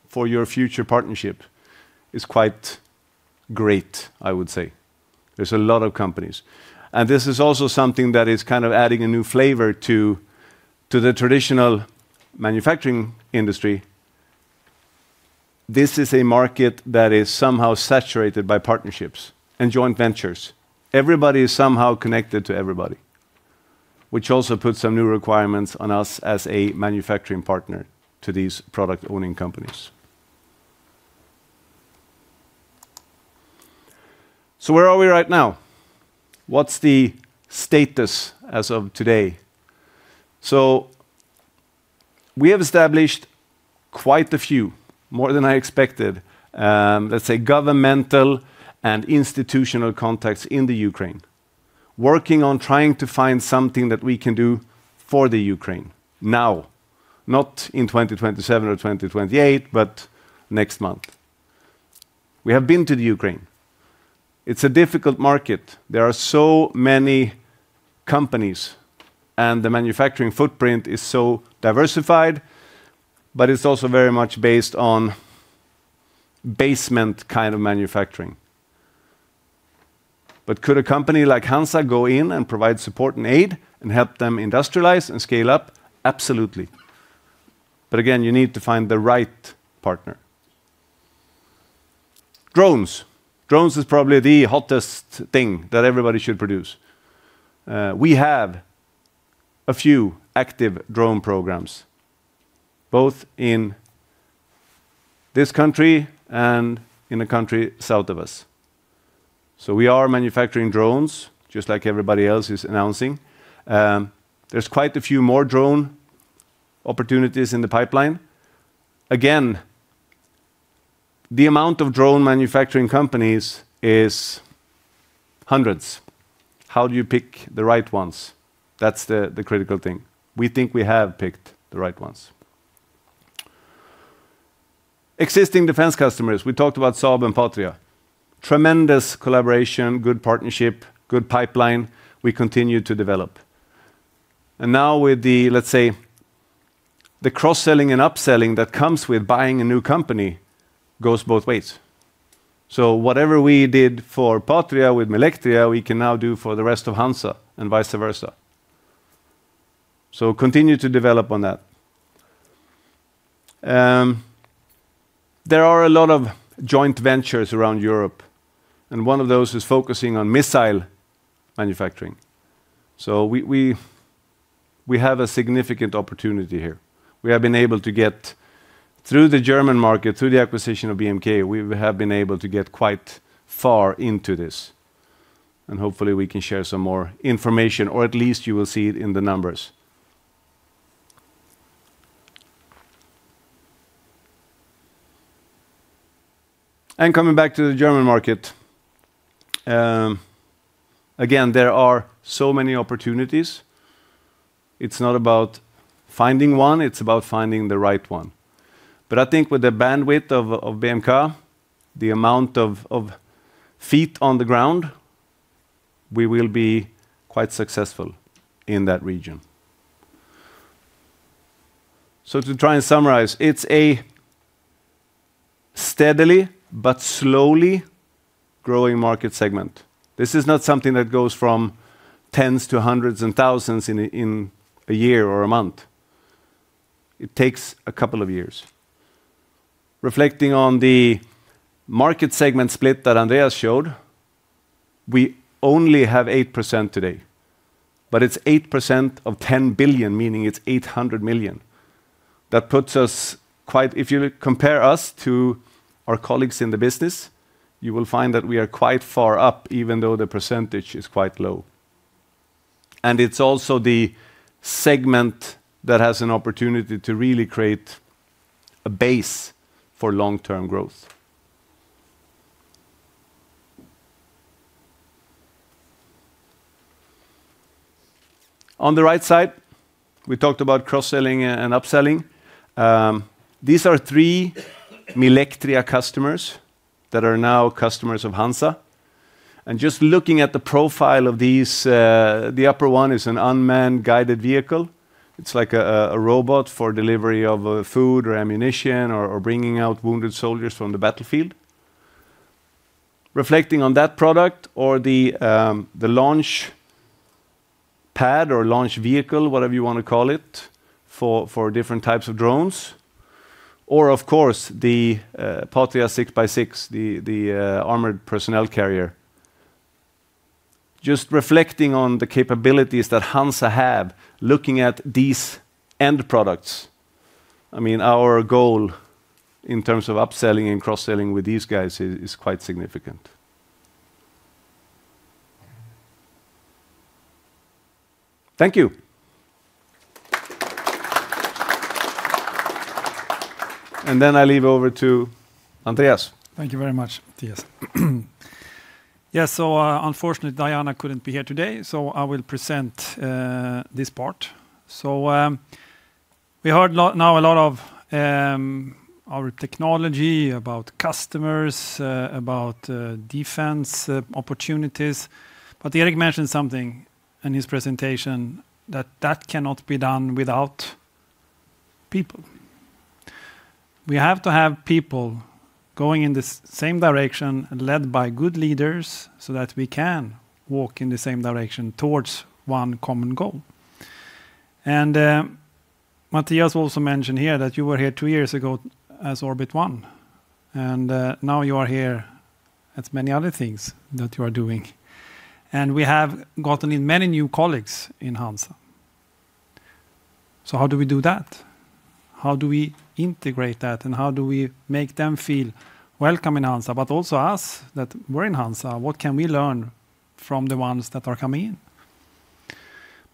for your future partnership is quite great, I would say. There's a lot of companies. This is also something that is kind of adding a new flavor to the traditional manufacturing industry. This is a market that is somehow saturated by partnerships and joint ventures. Everybody is somehow connected to everybody, which also puts some new requirements on us as a manufacturing partner to these product-owning companies. Where are we right now? What's the status as of today? We have established quite a few, more than I expected, let's say governmental and institutional contacts in the Ukraine, working on trying to find something that we can do for the Ukraine now, not in 2027 or 2028, but next month. We have been to the Ukraine. It's a difficult market. There are so many companies, and the manufacturing footprint is so diversified, but it's also very much based on basement kind of manufacturing. Could a company like HANZA go in and provide support and aid and help them industrialize and scale up? Absolutely. Again, you need to find the right partner. Drones. Drones is probably the hottest thing that everybody should produce. We have a few active drone programs, both in this country and in a country south of us. We are manufacturing drones just like everybody else is announcing. There's quite a few more drone opportunities in the pipeline. Again, the amount of drone manufacturing companies is hundreds. How do you pick the right ones? That's the critical thing. We think we have picked the right ones. Existing defense customers, we talked about Saab and Patria. Tremendous collaboration, good partnership, good pipeline we continue to develop. Now with the, let's say, the cross-selling and upselling that comes with buying a new company goes both ways. Whatever we did for Patria with Milectria, we can now do for the rest of HANZA and vice versa. Continue to develop on that. There are a lot of joint ventures around Europe, and one of those is focusing on missile manufacturing. We have a significant opportunity here. We have been able to get through the German market, through the acquisition of BMK, we have been able to get quite far into this, and hopefully we can share some more information, or at least you will see it in the numbers. Coming back to the German market, again, there are so many opportunities. It's not about finding one, it's about finding the right one. I think with the bandwidth of BMK, the amount of feet on the ground, we will be quite successful in that region. To try and summarize, it's a steadily but slowly growing market segment. This is not something that goes from tens to hundreds and thousands in a year or a month. It takes a couple of years. Reflecting on the market segment split that Andreas showed, we only have 8% today, but it's 8% of 10 billion, meaning it's 800 million. That puts us quite, if you compare us to our colleagues in the business, you will find that we are quite far up even though the percentage is quite low. It's also the segment that has an opportunity to really create a base for long-term growth. On the right side, we talked about cross-selling and upselling. These are three Milectria customers that are now customers of HANZA. Just looking at the profile of these, the upper one is an unmanned guided vehicle. It's like a robot for delivery of food or ammunition or bringing out wounded soldiers from the battlefield. Reflecting on that product or the launch pad or launch vehicle, whatever you wanna call it, for different types of drones, or of course, the Patria 6x6, the armored personnel carrier. Just reflecting on the capabilities that HANZA have, looking at these end products, I mean, our goal in terms of upselling and cross-selling with these guys is quite significant. Thank you. Then I leave over to Andreas. Thank you very much, Mattias. Yeah, unfortunately, Diana couldn't be here today, so I will present this part. We heard a lot about our technology, about customers, about defense opportunities. Eric mentioned something in his presentation that cannot be done without people. We have to have people going in the same direction, led by good leaders, so that we can walk in the same direction towards one common goal. Mattias also mentioned here that you were here two years ago as Orbit One, and now you are here as many other things that you are doing. We have gotten in many new colleagues in HANZA. How do we do that? How do we integrate that, and how do we make them feel welcome in HANZA, but also us that we're in HANZA, what can we learn from the ones that are coming in?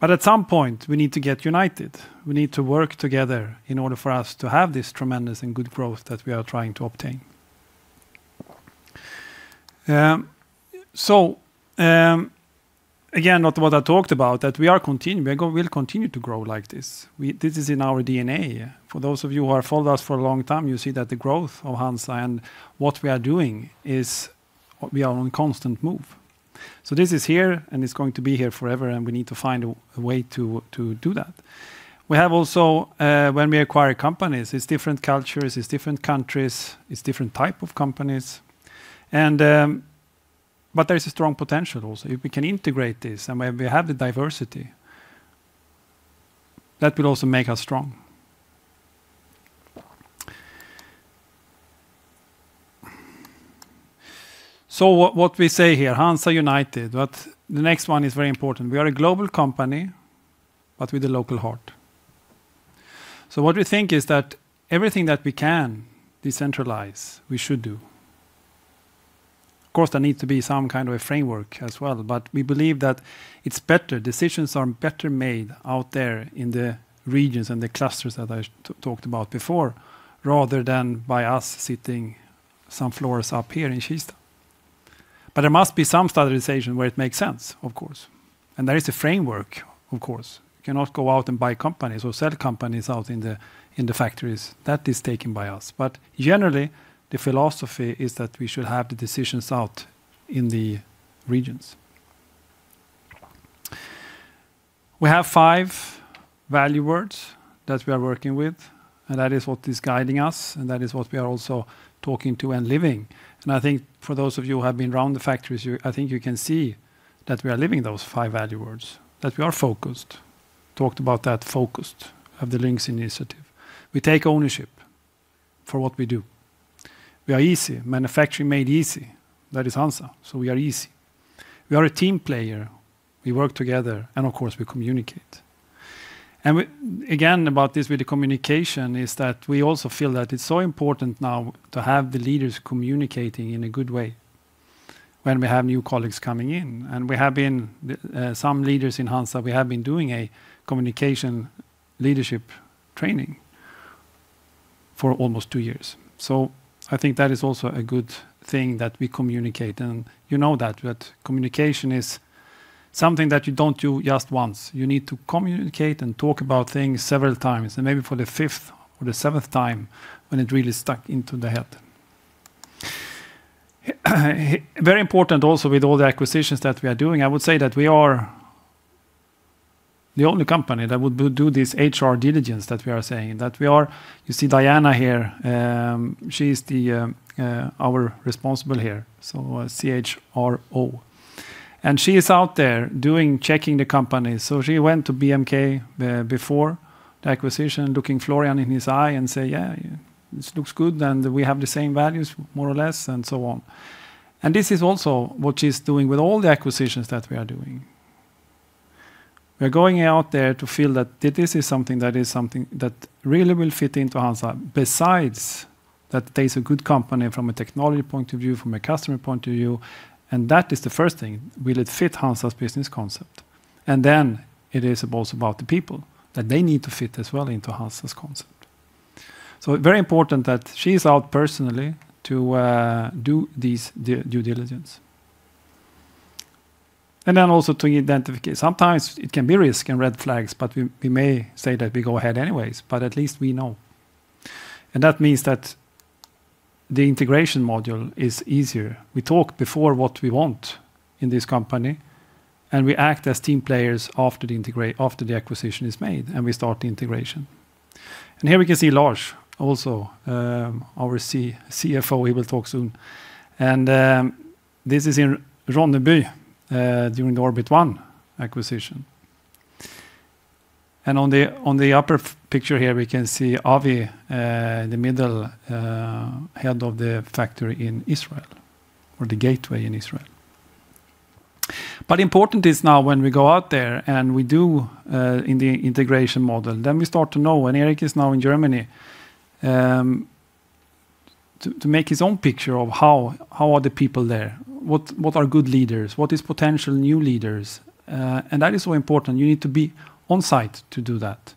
At some point, we need to get united. We need to work together in order for us to have this tremendous and good growth that we are trying to obtain. Again, not what I talked about, that we are continuing, we'll continue to grow like this. This is in our DNA. For those of you who have followed us for a long time, you see that the growth of HANZA and what we are doing is we are on constant move. This is here, and it's going to be here forever, and we need to find a way to do that. We have also, when we acquire companies, it's different cultures, it's different countries, it's different type of companies. There is a strong potential also. If we can integrate this, and when we have the diversity, that will also make us strong. What we say here, Hansa United, but the next one is very important. We are a global company, but with a local heart. What we think is that everything that we can decentralize, we should do. Of course, there need to be some kind of a framework as well, but we believe that it's better. Decisions are better made out there in the regions and the clusters that I talked about before, rather than by us sitting some floors up here in Kista. There must be some standardization where it makes sense, of course. There is a framework, of course. You cannot go out and buy companies or sell companies out in the factories. That is taken by us. Generally, the philosophy is that we should have the decisions out in the regions. We have five value words that we are working with, and that is what is guiding us, and that is what we are also talking to and living. I think for those of you who have been around the factories, you, I think you can see that we are living those five value words, that we are focused. Talked about that focused of the LINX Initiative. We take ownership for what we do. We are easy. Manufacturing made easy. That is HANZA. We are easy. We are a team player. We work together, and of course, we communicate. About this with the communication is that we also feel that it's so important now to have the leaders communicating in a good way when we have new colleagues coming in. We have been some leaders in HANZA, we have been doing a communication leadership training for almost two years. I think that is also a good thing that we communicate. You know that communication is something that you don't do just once. You need to communicate and talk about things several times, and maybe for the fifth or the seventh time when it really stuck into the head. Very important also with all the acquisitions that we are doing. I would say that we are the only company that would do this HR due diligence that we are saying. That we are. You see Diana here, she's our responsible here, so CHRO. She is out there doing checking the company. She went to BMK before the acquisition, looking Florian in his eye and say, "Yeah, this looks good, and we have the same values more or less," and so on. This is also what she's doing with all the acquisitions that we are doing. We're going out there to feel that this is something that really will fit into HANZA. Besides that, there's a good company from a technology point of view, from a customer point of view. That is the first thing. Will it fit HANZA's business concept? Then it is also about the people, that they need to fit as well into HANZA's concept. Very important that she is out personally to do these due diligence. Then also to identify sometimes it can be risk and red flags, but we may say that we go ahead anyways, but at least we know. That means that the integration module is easier. We talk before what we want in this company, and we act as team players after the acquisition is made, and we start the integration. Here we can see Lars also, our CFO. He will talk soon. This is in Ronneby during the Orbit One acquisition. On the upper picture here, we can see Avi in the middle, head of the factory in Israel, or the gateway in Israel. Important is now when we go out there and we do in the integration model, then we start to know, and Erik is now in Germany, to make his own picture of how are the people there, what are good leaders, what is potential new leaders, and that is so important. You need to be on site to do that.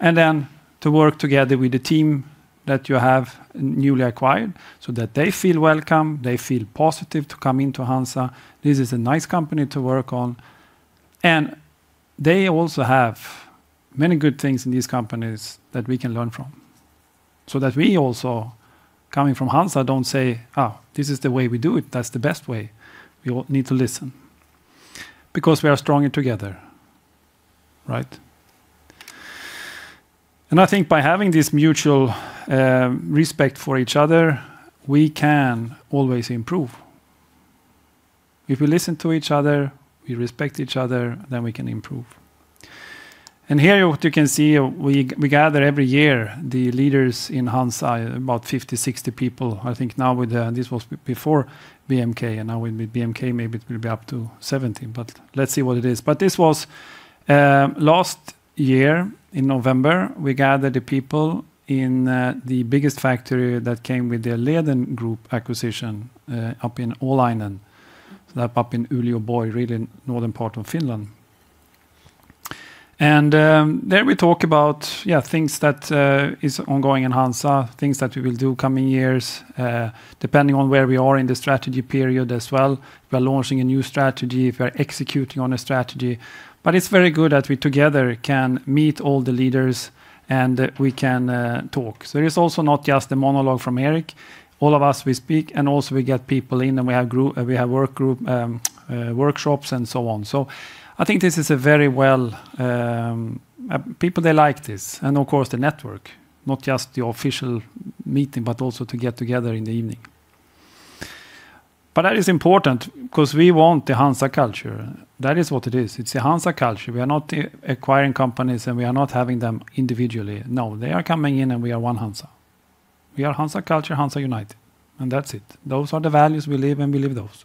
Then to work together with the team that you have newly acquired so that they feel welcome, they feel positive to come into HANZA. This is a nice company to work on. They also have many good things in these companies that we can learn from. So that we also, coming from HANZA, don't say, "this is the way we do it. That's the best way." We all need to listen because we are stronger together, right? I think by having this mutual respect for each other, we can always improve. If we listen to each other, we respect each other, then we can improve. Here what you can see, we gather every year the leaders in HANZA, about 50, 60 people, I think now with the—this was before BMK, and now with BMK, maybe it will be up to 70, but let's see what it is. This was last year in November, we gathered the people in the biggest factory that came with the Leden Group acquisition, up in Oulainen, so that up in Ylivieska, really northern part of Finland. There we talk about, yeah, things that is ongoing in HANZA, things that we will do coming years, depending on where we are in the strategy period as well. We're launching a new strategy, if we're executing on a strategy. It's very good that we together can meet all the leaders, and we can talk. It is also not just a monologue from Eric. All of us, we speak, and also we get people in, and we have work group workshops and so on. I think this is a very well. People, they like this. Of course, the network, not just the official meeting, but also to get together in the evening. That is important because we want the HANZA culture. That is what it is. It's the HANZA culture. We are not acquiring companies, and we are not having them individually. No. They are coming in, and we are one HANZA. We are HANZA culture, HANZA United, and that's it. Those are the values we live, and we live those.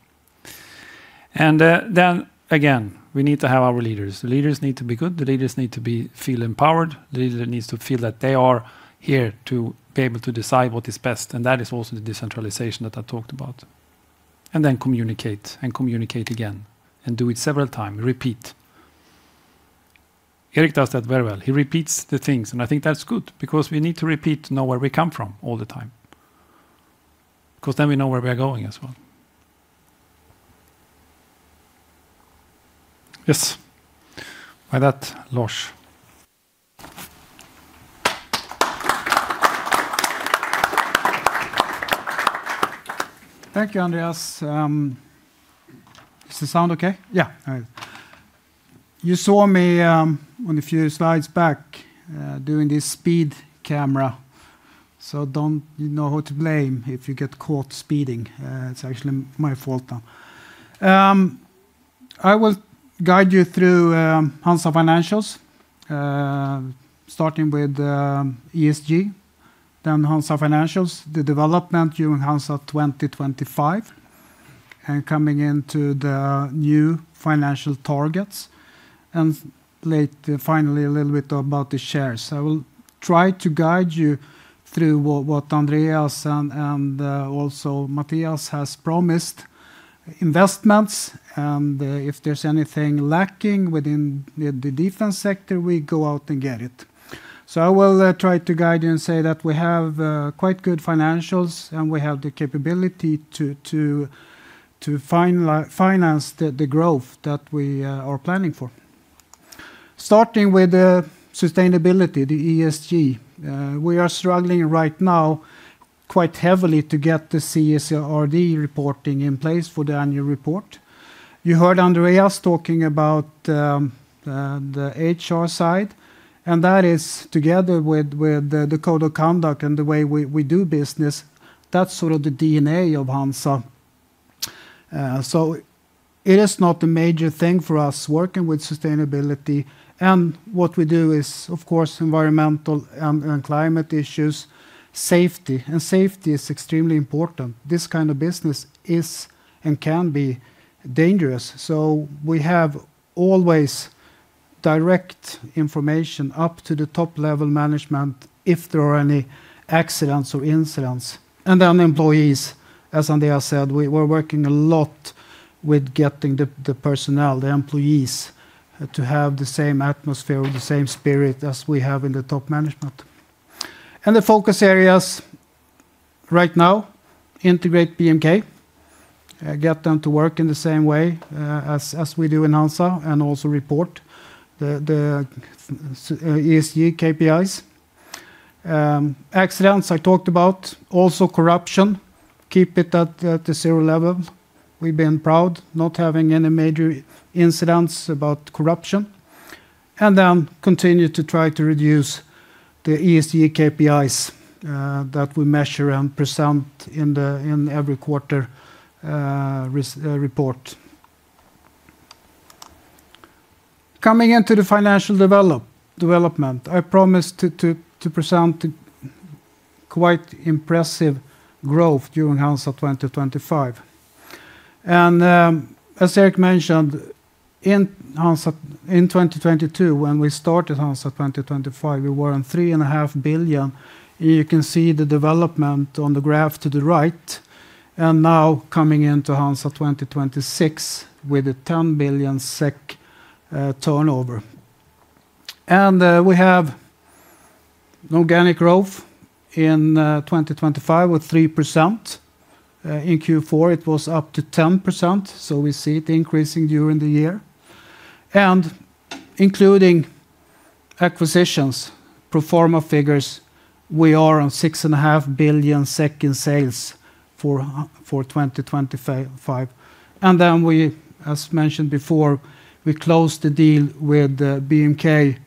Then again, we need to have our leaders. The leaders need to be good. The leaders need to feel empowered. The leader needs to feel that they are here to be able to decide what is best, and that is also the decentralization that I talked about. Communicate and communicate again, and do it several times. Repeat. Erik does that very well. He repeats the things, and I think that's good because we need to repeat to know where we come from all the time, 'cause then we know where we are going as well. Yes. With that, Lars. Thank you, Andreas. Is the sound okay? Yeah. All right. You saw me on a few slides back doing this speed camera. So don't you know who to blame if you get caught speeding. It's actually my fault now. I will guide you through HANZA Financials starting with ESG, then HANZA Financials, the development during HANZA 2025, and coming into the new financial targets, and finally, a little bit about the shares. I will try to guide you through what Andreas and also Matthias has promised, investments, and if there's anything lacking within the defense sector, we go out and get it. I will try to guide you and say that we have quite good financials, and we have the capability to finance the growth that we are planning for. Starting with the sustainability, the ESG, we are struggling right now quite heavily to get the CSRD reporting in place for the annual report. You heard Andreas talking about the HR side, and that is together with the code of conduct and the way we do business, that's sort of the DNA of HANZA. It is not a major thing for us working with sustainability. What we do is, of course, environmental and climate issues, safety, and safety is extremely important. This kind of business is and can be dangerous, so we have always direct information up to the top-level management if there are any accidents or incidents. Employees, as Andreas said, we're working a lot with getting the personnel, the employees to have the same atmosphere or the same spirit as we have in the top management. The focus areas right now, integrate BMK, get them to work in the same way, as we do in HANZA, and also report the ESG KPIs. Accidents, I talked about. Corruption, keep it at the zero level. We've been proud not having any major incidents about corruption. Continue to try to reduce the ESG KPIs that we measure and present in every quarter report. Coming into the financial development, I promised to present quite impressive growth during HANZA 2025. As Erik mentioned, in 2022, when we started HANZA 2025, we were on 3.5 billion. You can see the development on the graph to the right, and now coming into HANZA 2026 with a 10 billion SEK turnover. We have an organic growth in 2025 with 3%. In Q4, it was up to 10%, so we see it increasing during the year. Including acquisitions, pro forma figures, we are on 6.5 billion in sales for 2025. We, as mentioned before, we closed the deal with BMK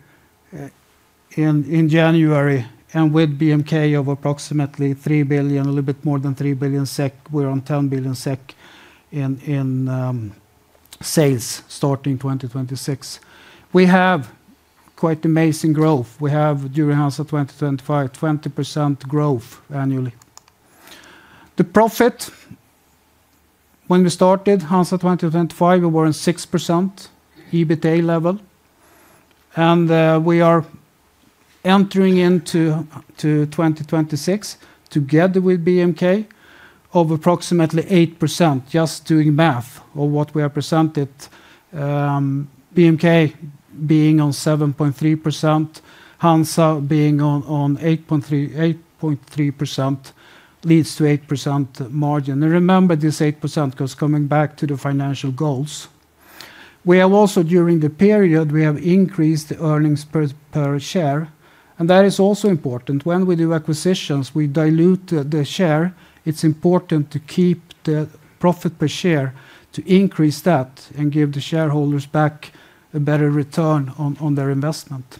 in January, and with BMK of approximately a little bit more than 3 billion SEK, we're on 10 billion SEK in sales starting 2026. We have quite amazing growth. We have during HANZA 2025, 20% growth annually. The profit when we started HANZA 2025, we were in 6% EBITA level. We are entering into 2026 together with BMK of approximately 8%, just doing math of what we have presented. BMK being on 7.3%, HANZA being on 8.3% leads to 8% margin. Now remember this 8% 'cause coming back to the financial goals. We have also during the period, we have increased the earnings per share, and that is also important. When we do acquisitions, we dilute the share. It's important to keep the profit per share to increase that and give the shareholders back a better return on their investment.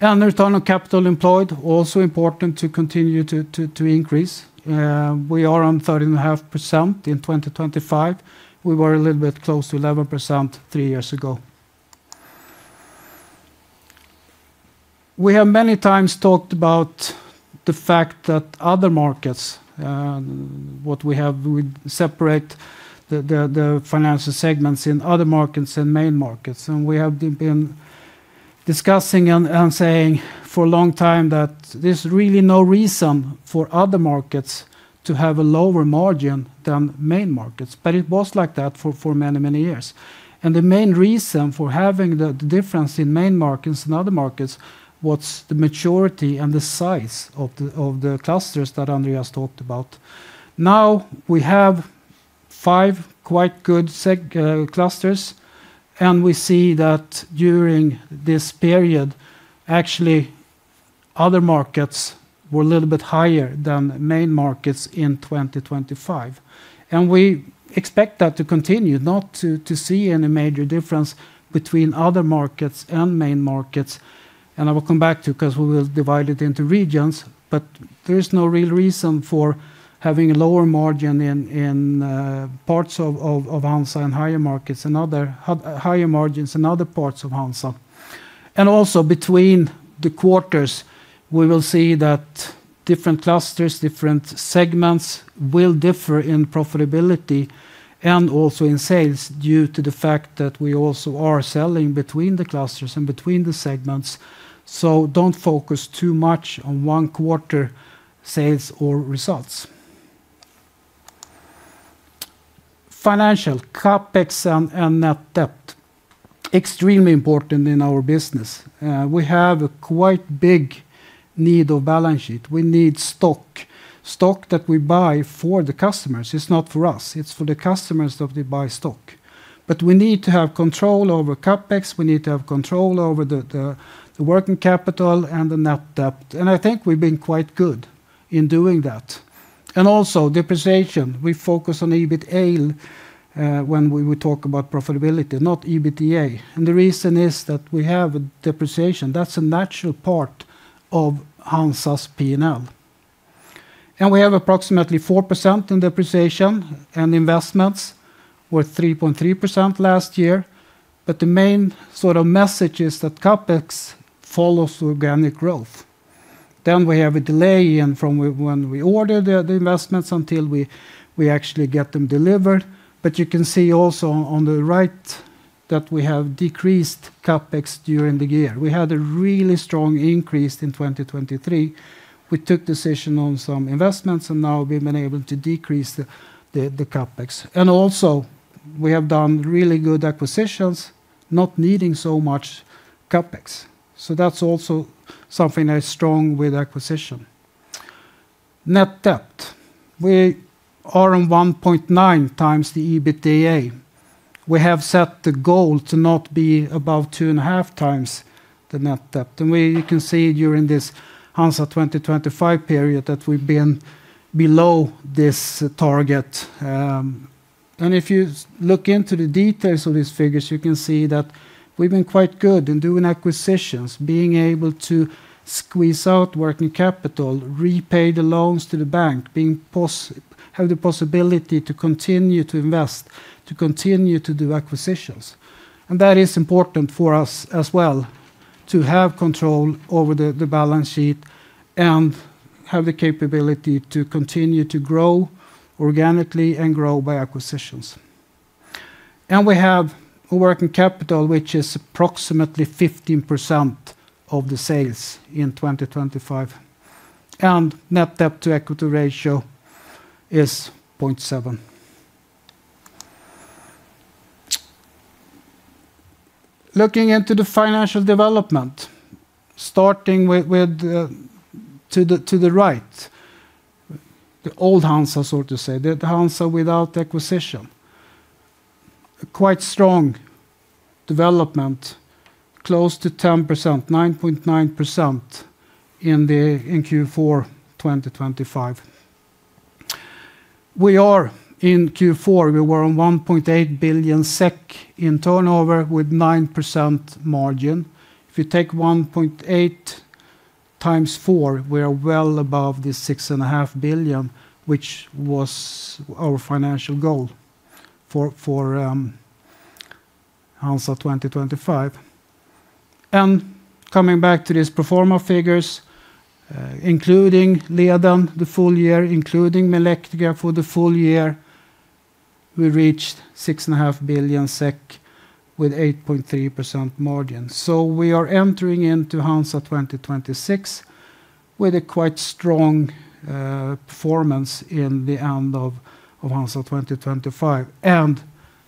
Return on capital employed also important to continue to increase. We are on 30.5% in 2025. We were a little bit close to 11% three years ago. We have many times talked about the fact that other markets, what we have, we separate the financial segments in other markets and main markets. We have been discussing and saying for a long time that there's really no reason for other markets to have a lower margin than main markets, but it was like that for many years. The main reason for having the difference in main markets and other markets was the maturity and the size of the clusters that Andreas talked about. Now, we have five quite good clusters, and we see that during this period, actually, other markets were a little bit higher than main markets in 2025. We expect that to continue, not to see any major difference between other markets and main markets. I will come back to, 'cause we will divide it into regions, but there's no real reason for having a lower margin in parts of HANZA and higher margins in other parts of HANZA. Also, between the quarters, we will see that different clusters, different segments will differ in profitability, and also in sales due to the fact that we also are selling between the clusters and between the segments. Don't focus too much on one quarter sales or results. Financial, CapEx and net debt, extremely important in our business. We have a quite big need of balance sheet. We need stock. Stock that we buy for the customers. It's not for us. It's for the customers that they buy stock. We need to have control over CapEx, we need to have control over the working capital and the net debt. I think we've been quite good in doing that. Depreciation, we focus on EBITA when we talk about profitability, not EBITDA. The reason is that we have a depreciation. That's a natural part of HANZA's P&L. We have approximately 4% in depreciation, and investments were 3.3% last year. The main sort of message is that CapEx follows organic growth. We have a delay in from when we order the investments until we actually get them delivered. You can see also on the right that we have decreased CapEx during the year. We had a really strong increase in 2023. We took decision on some investments, and now we've been able to decrease the CapEx. We have done really good acquisitions, not needing so much CapEx. That's also something that is strong with acquisition. Net debt. We are on 1.9 times the EBITDA. We have set the goal to not be above 2.5 times the net debt. You can see during this HANZA 2025 period that we've been below this target. If you look into the details of these figures, you can see that we've been quite good in doing acquisitions, being able to squeeze out working capital, repay the loans to the bank, have the possibility to continue to invest, to continue to do acquisitions. That is important for us as well, to have control over the balance sheet and have the capability to continue to grow organically and grow by acquisitions. We have a working capital which is approximately 15% of the sales in 2025. Net debt to equity ratio is 0.7. Looking into the financial development, starting with to the right, the old HANZA, so to say, the HANZA without acquisitions. Quite strong development, close to 10%, 9.9% in Q4 2025. We are in Q4, we were on 1.8 billion SEK in turnover with 9% margin. If you take 1.8 times four, we are well above the 6.5 billion SEK, which was our financial goal for HANZA 2025. Coming back to these pro forma figures, including Leden the full year, including Milectria for the full year, we reached 6.5 billion SEK with 8.3% margin. We are entering into HANZA 2026 with a quite strong performance in the end of HANZA 2025, and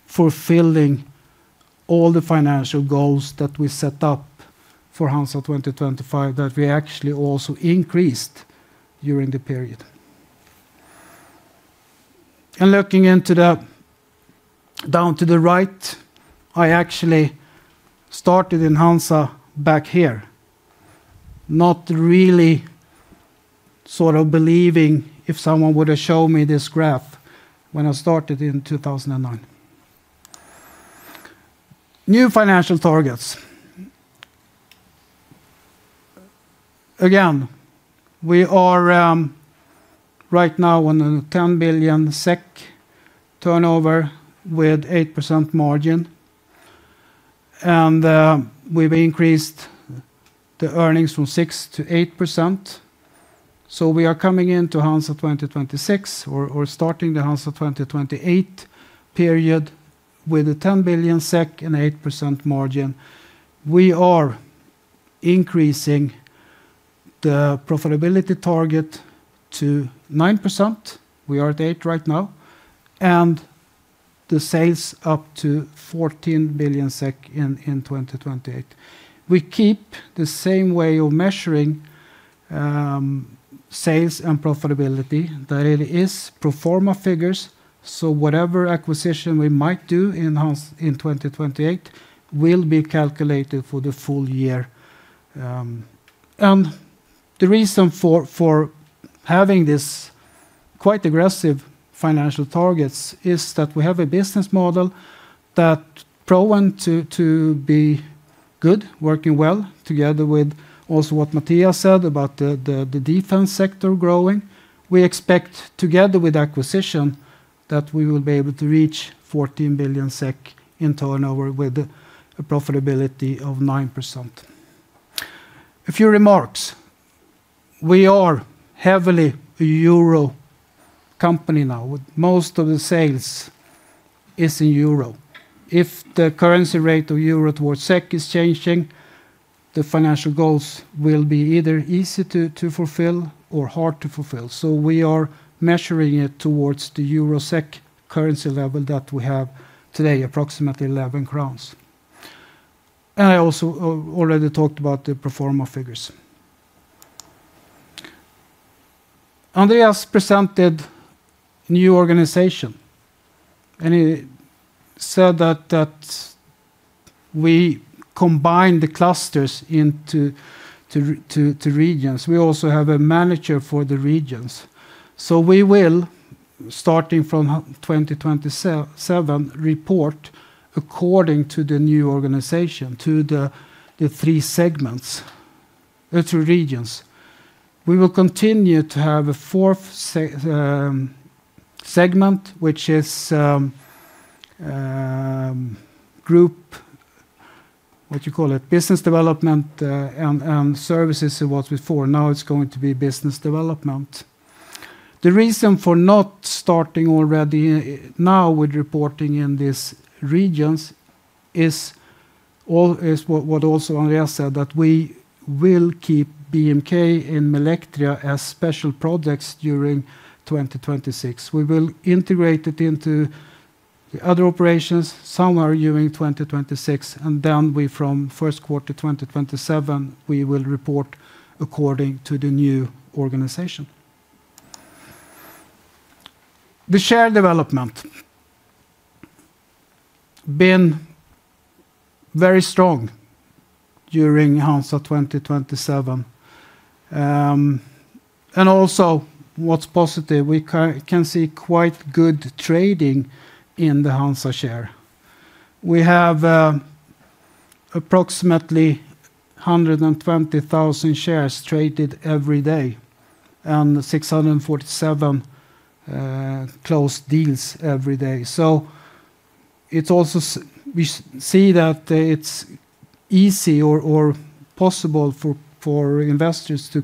fulfilling all the financial goals that we set up for HANZA 2025 that we actually also increased during the period. Looking down to the right, I actually started in HANZA back here. Not really sort of believing if someone were to show me this graph when I started in 2009. New financial targets. Again, we are right now on the 10 billion SEK turnover with 8% margin. We've increased the earnings from 6% to 8%. We are coming into HANZA 2026 or starting the HANZA 2028 period with 10 billion SEK and 8% margin. We are increasing the profitability target to 9%. We are at 8% right now. The sales up to 14 billion SEK in 2028. We keep the same way of measuring sales and profitability. That it is pro forma figures, so whatever acquisition we might do in HANZA in 2028 will be calculated for the full year. The reason for having this quite aggressive financial targets is that we have a business model that proven to be good, working well together with also what Mattias said about the defense sector growing. We expect together with acquisition that we will be able to reach 14 billion SEK in turnover with a profitability of 9%. A few remarks. We are heavily Euro company now, with most of the sales is in Euro. If the currency rate of Euro towards SEK is changing, the financial goals will be either easy to fulfill or hard to fulfill. We are measuring it towards the Euro-SEK currency level that we have today, approximately 11 crowns. I also already talked about the pro forma figures. Andreas presented new organization, and he said that we combine the clusters into regions. We also have a manager for the regions. We will, starting from 2027, report according to the new organization, to the three segments, the three regions. We will continue to have a fourth segment, which is a group, what you call it? Business development and services it was before. Now it's going to be business development. The reason for not starting already now with reporting in these regions is what also Andreas said, that we will keep BMK and Milectria as special projects during 2026. We will integrate it into the other operations, somewhere during 2026, and then we from first quarter 2027, we will report according to the new organization. The share development been very strong during HANZA 2027. And also what's positive, we can see quite good trading in the HANZA share. We have approximately 120,000 shares traded every day, and 647 closed deals every day. It's also we see that it's easy or possible for investors to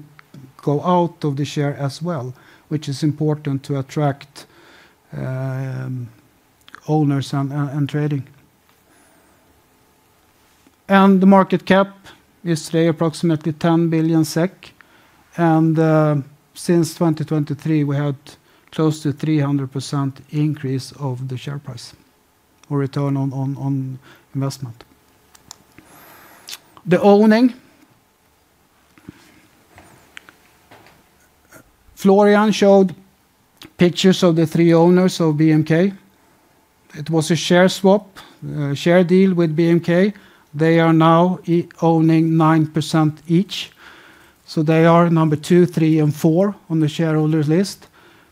go out of the share as well, which is important to attract owners and trading. The market cap is today approximately 10 billion SEK, and since 2023, we had close to 300% increase of the share price or return on investment. Then Florian showed pictures of the three owners of BMK. It was a share swap, share deal with BMK. They are now owning 9% each, so they are number 2, 3, and 4 on the shareholders list.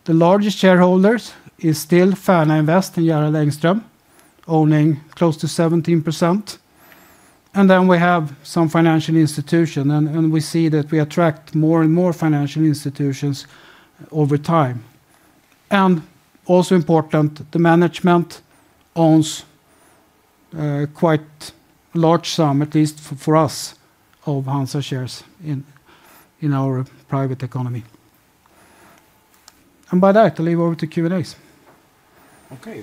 The largest shareholders is still Färna Invest and Gerald Engström, owning close to 17%. Then we have some financial institution and we see that we attract more and more financial institutions over time. Also important, the management owns quite large sum, at least for us, of HANZA shares in our private economy. By that, I leave over to Q&As. Okay.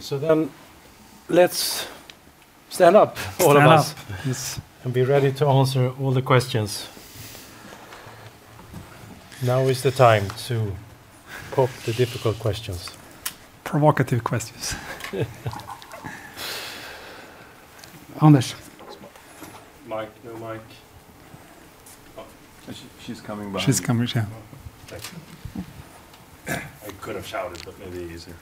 Let's stand up, all of us. Stand up. Yes be ready to answer all the questions. Now is the time to pop the difficult questions. Provocative questions. Anders. Mike? No mic. Oh, she's coming by. She's coming. Yeah. Thank you. I could have shouted, but maybe easier.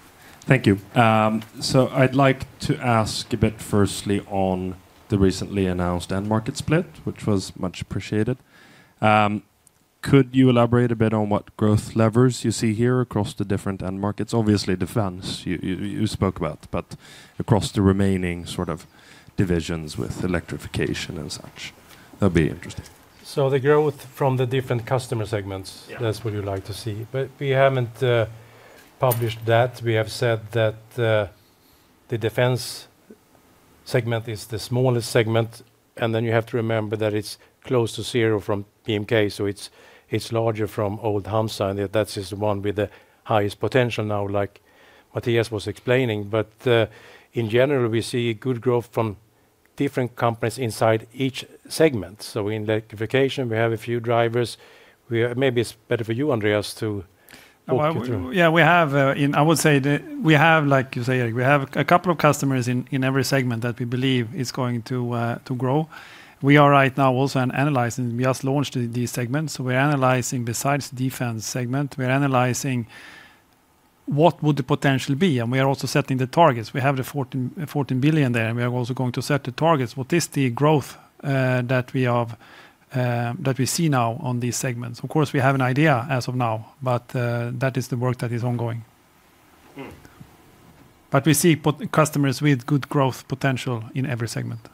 Thank you. I'd like to ask a bit firstly on the recently announced end market split, which was much appreciated. Could you elaborate a bit on what growth levers you see here across the different end markets? Obviously, defense you spoke about, but across the remaining sort of divisions with electrification and such. That'd be interesting. The growth from the different customer segments- Yeah That's what you'd like to see. We haven't published that. We have said that the defense segment is the smallest segment, and then you have to remember that it's close to zero from BMK, so it's larger from old HANZA, and that's the one with the highest potential now, like Mattias was explaining. In general, we see good growth from different companies inside each segment. In electrification, we have a few drivers. Maybe it's better for you, Andreas, to walk me through. Well, yeah, I would say we have, like you say, we have a couple of customers in every segment that we believe is going to grow. We are right now also analyzing. We just launched these segments, so we're analyzing besides defense segment, we're analyzing what would the potential be, and we are also setting the targets. We have the 14 billion there, and we are also going to set the targets. What is the growth that we have that we see now on these segments? Of course, we have an idea as of now, but that is the work that is ongoing. Mm. We see potential customers with good growth potential in every segment.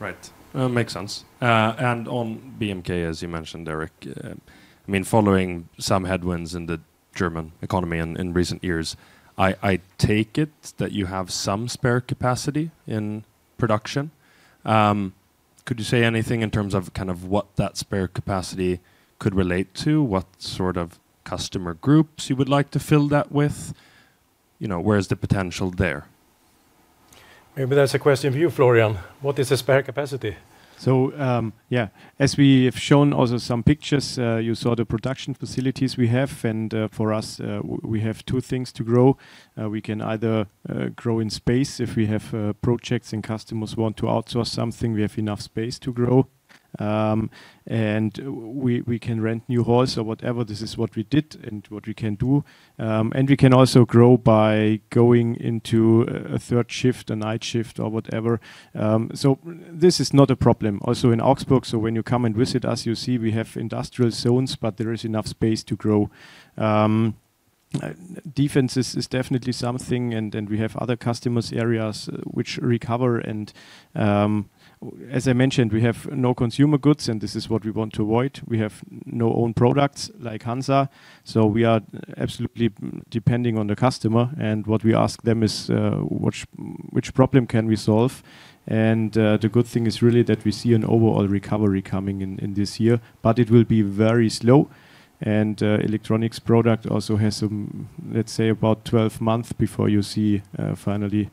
Right. Well, makes sense. On BMK, as you mentioned, Erik, I mean, following some headwinds in the German economy in recent years, I take it that you have some spare capacity in production. Could you say anything in terms of kind of what that spare capacity could relate to? What sort of customer groups you would like to fill that with? You know, where is the potential there? Maybe that's a question for you, Florian. What is the spare capacity? Yeah. As we have shown also some pictures, you saw the production facilities we have, and for us, we have two things to grow. We can either grow in space if we have projects and customers who want to outsource something, we have enough space to grow. And we can rent new halls or whatever. This is what we did and what we can do. And we can also grow by going into a third shift, a night shift, or whatever. This is not a problem also in Augsburg. When you come and visit us, you see we have industrial zones, but there is enough space to grow. Defense is definitely something, and we have other customers areas which recover. As I mentioned, we have no consumer goods, and this is what we want to avoid. We have no own products like HANZA, so we are absolutely depending on the customer. What we ask them is, which problem can we solve? The good thing is really that we see an overall recovery coming in this year, but it will be very slow. Electronics product also has some, let's say, about 12 months before you see finally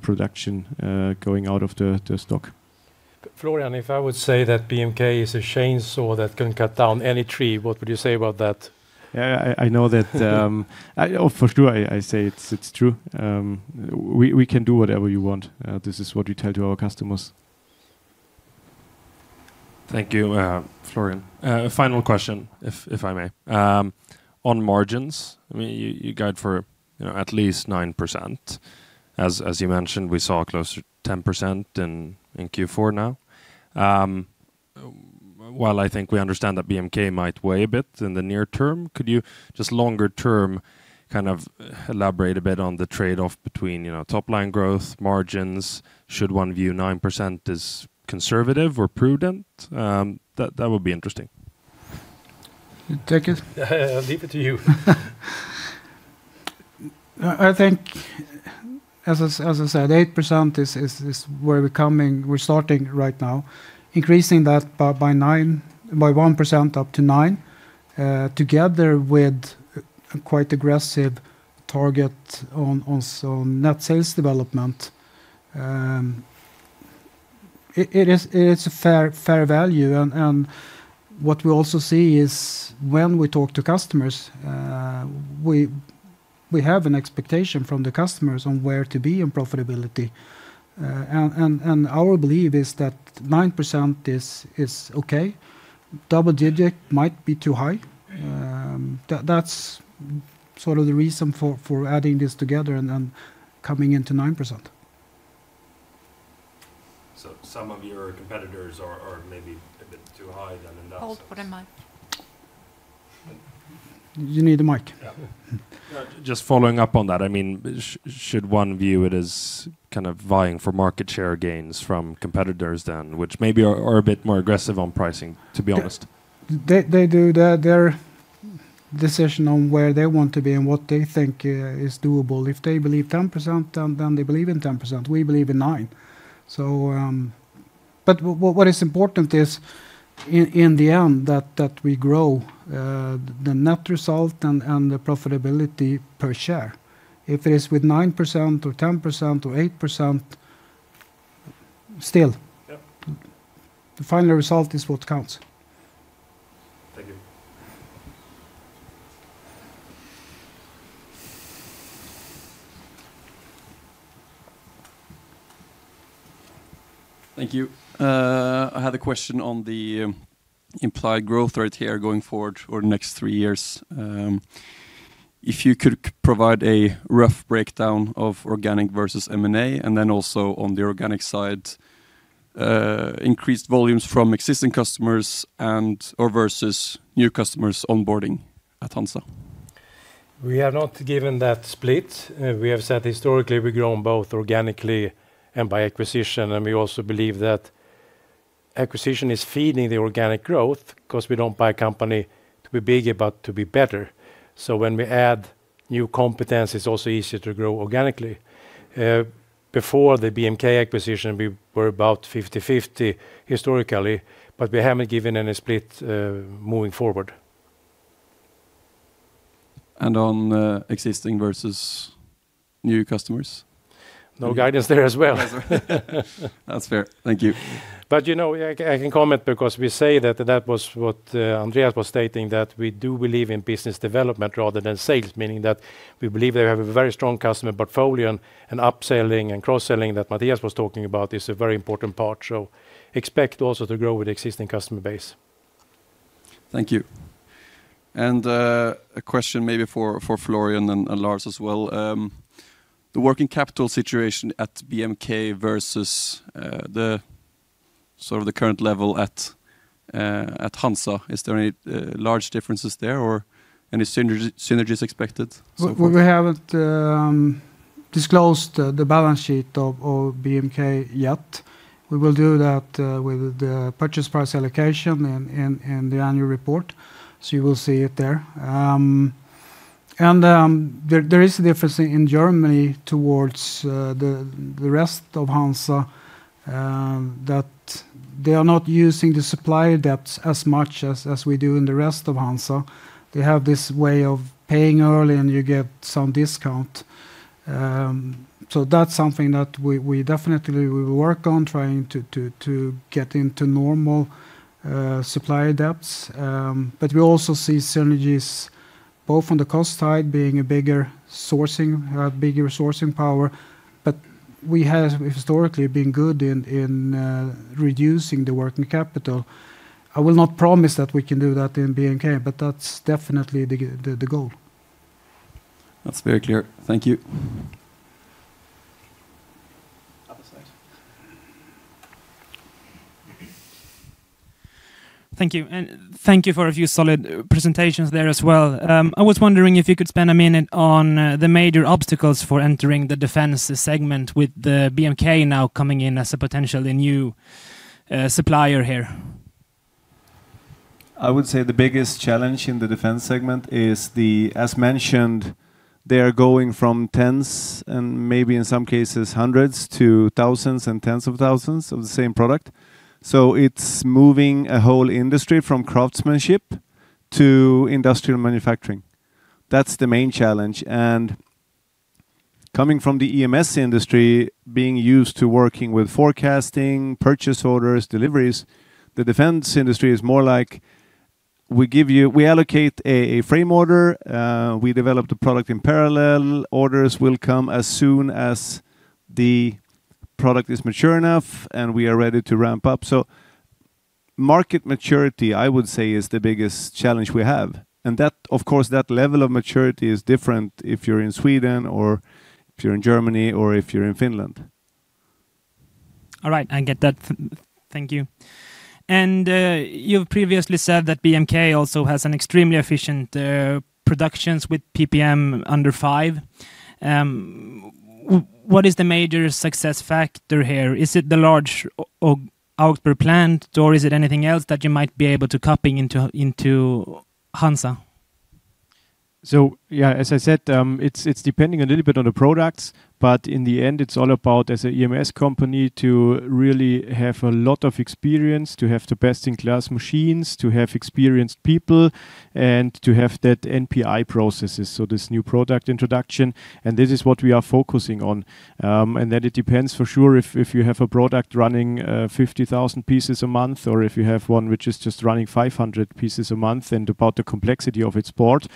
production going out of the stock. Florian, if I would say that BMK is a chainsaw that can cut down any tree, what would you say about that? Yeah, I know that. Oh, for sure. I say it's true. We can do whatever you want. This is what we tell to our customers. Thank you, Florian. Final question, if I may. On margins, I mean, you guide for, you know, at least 9%. As you mentioned, we saw close to 10% in Q4 now. While I think we understand that BMK might weigh a bit in the near term, could you just longer term kind of elaborate a bit on the trade-off between, you know, top line growth, margins? Should one view 9% as conservative or prudent? That would be interesting. You take it? Leave it to you. I think as I said, 8% is where we're starting right now. Increasing that by 1% up to 9%, together with a quite aggressive target on some net sales development, it is a fair value. What we also see is when we talk to customers, we have an expectation from the customers on where to be in profitability. Our belief is that 9% is okay. Double digit might be too high. That's sort of the reason for adding this together and then coming into 9%. Some of your competitors are maybe a bit too high then in that sense. Hold for the mic. You need the mic. Yeah. Just following up on that, I mean, should one view it as kind of vying for market share gains from competitors then, which maybe are a bit more aggressive on pricing, to be honest? They do their decision on where they want to be and what they think is doable. If they believe 10%, then they believe in 10%. We believe in 9%. But what is important is in the end that we grow the net result and the profitability per share. If it is with 9% or 10% or 8%, still. Yeah. The final result is what counts. Thank you. Thank you. I had a question on the implied growth rate here going forward for the next three years. If you could provide a rough breakdown of organic versus M&A, and then also on the organic side, increased volumes from existing customers and/or versus new customers onboarding at HANZA? We have not given that split. We have said historically we've grown both organically and by acquisition, and we also believe that acquisition is feeding the organic growth because we don't buy a company to be big but to be better. When we add new competence, it's also easier to grow organically. Before the BMK acquisition, we were about 50/50 historically, but we haven't given any split, moving forward. On existing versus new customers? No guidance there as well. That's fair. Thank you. You know, I can comment because we say that was what Andreas was stating, that we do believe in business development rather than sales, meaning that we believe they have a very strong customer portfolio, and upselling and cross-selling that Matthias was talking about is a very important part. Expect also to grow with existing customer base. Thank you. A question maybe for Florian and Lars as well. The working capital situation at BMK versus the sort of the current level at HANZA. Is there any large differences there or any synergies expected so far? We haven't disclosed the balance sheet of BMK yet. We will do that with the purchase price allocation in the annual report. You will see it there. There is a difference in Germany towards the rest of HANZA that they are not using the supplier debts as much as we do in the rest of HANZA. They have this way of paying early and you get some discount. That's something that we definitely will work on trying to get into normal supplier debts. We also see synergies both on the cost side, being a bigger sourcing power. We have historically been good in reducing the working capital. I will not promise that we can do that in BMK, but that's definitely the goal. That's very clear. Thank you. Other side. Thank you. Thank you for a few solid presentations there as well. I was wondering if you could spend a minute on the major obstacles for entering the defense segment with the BMK now coming in as a potentially new supplier here? I would say the biggest challenge in the defense segment is the, as mentioned, they are going from 10s and maybe in some cases 100s to 1,000s and 10,000s of the same product. It's moving a whole industry from craftsmanship to industrial manufacturing. That's the main challenge. Coming from the EMS industry, being used to working with forecasting, purchase orders, deliveries, the defense industry is more like we allocate a frame order, we develop the product in parallel, orders will come as soon as the product is mature enough, and we are ready to ramp up. Market maturity, I would say, is the biggest challenge we have. That, of course, level of maturity is different if you're in Sweden or if you're in Germany or if you're in Finland. All right. I get that. Thank you. You've previously said that BMK also has an extremely efficient production with PPM under 5. What is the major success factor here? Is it the large Augsburg plant, or is it anything else that you might be able to copy into HANZA? Yeah, as I said, it's depending a little bit on the products, but in the end it's all about as a EMS company to really have a lot of experience, to have the best-in-class machines, to have experienced people, and to have that NPI processes, so this new product introduction. This is what we are focusing on. Then it depends for sure if you have a product running 50,000 pieces a month or if you have one which is just running 500 pieces a month and about the complexity of its board.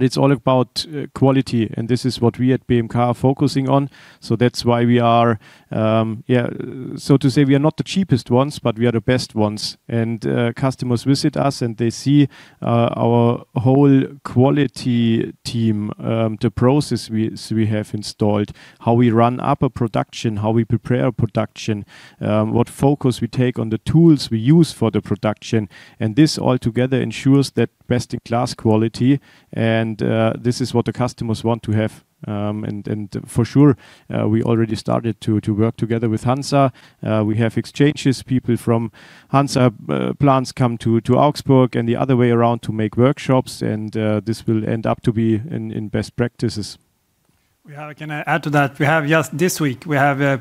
It's all about quality, and this is what we at BMK are focusing on. That's why we are, so to say we are not the cheapest ones, but we are the best ones. Customers visit us, and they see our whole quality team, the process we have installed, how we run our production, how we prepare production, what focus we take on the tools we use for the production, and this all together ensures that best-in-class quality and this is what the customers want to have. For sure, we already started to work together with HANZA. We have exchanges, people from HANZA plants come to Augsburg and the other way around to make workshops and this will end up to be in best practices. Can I add to that? We have just this week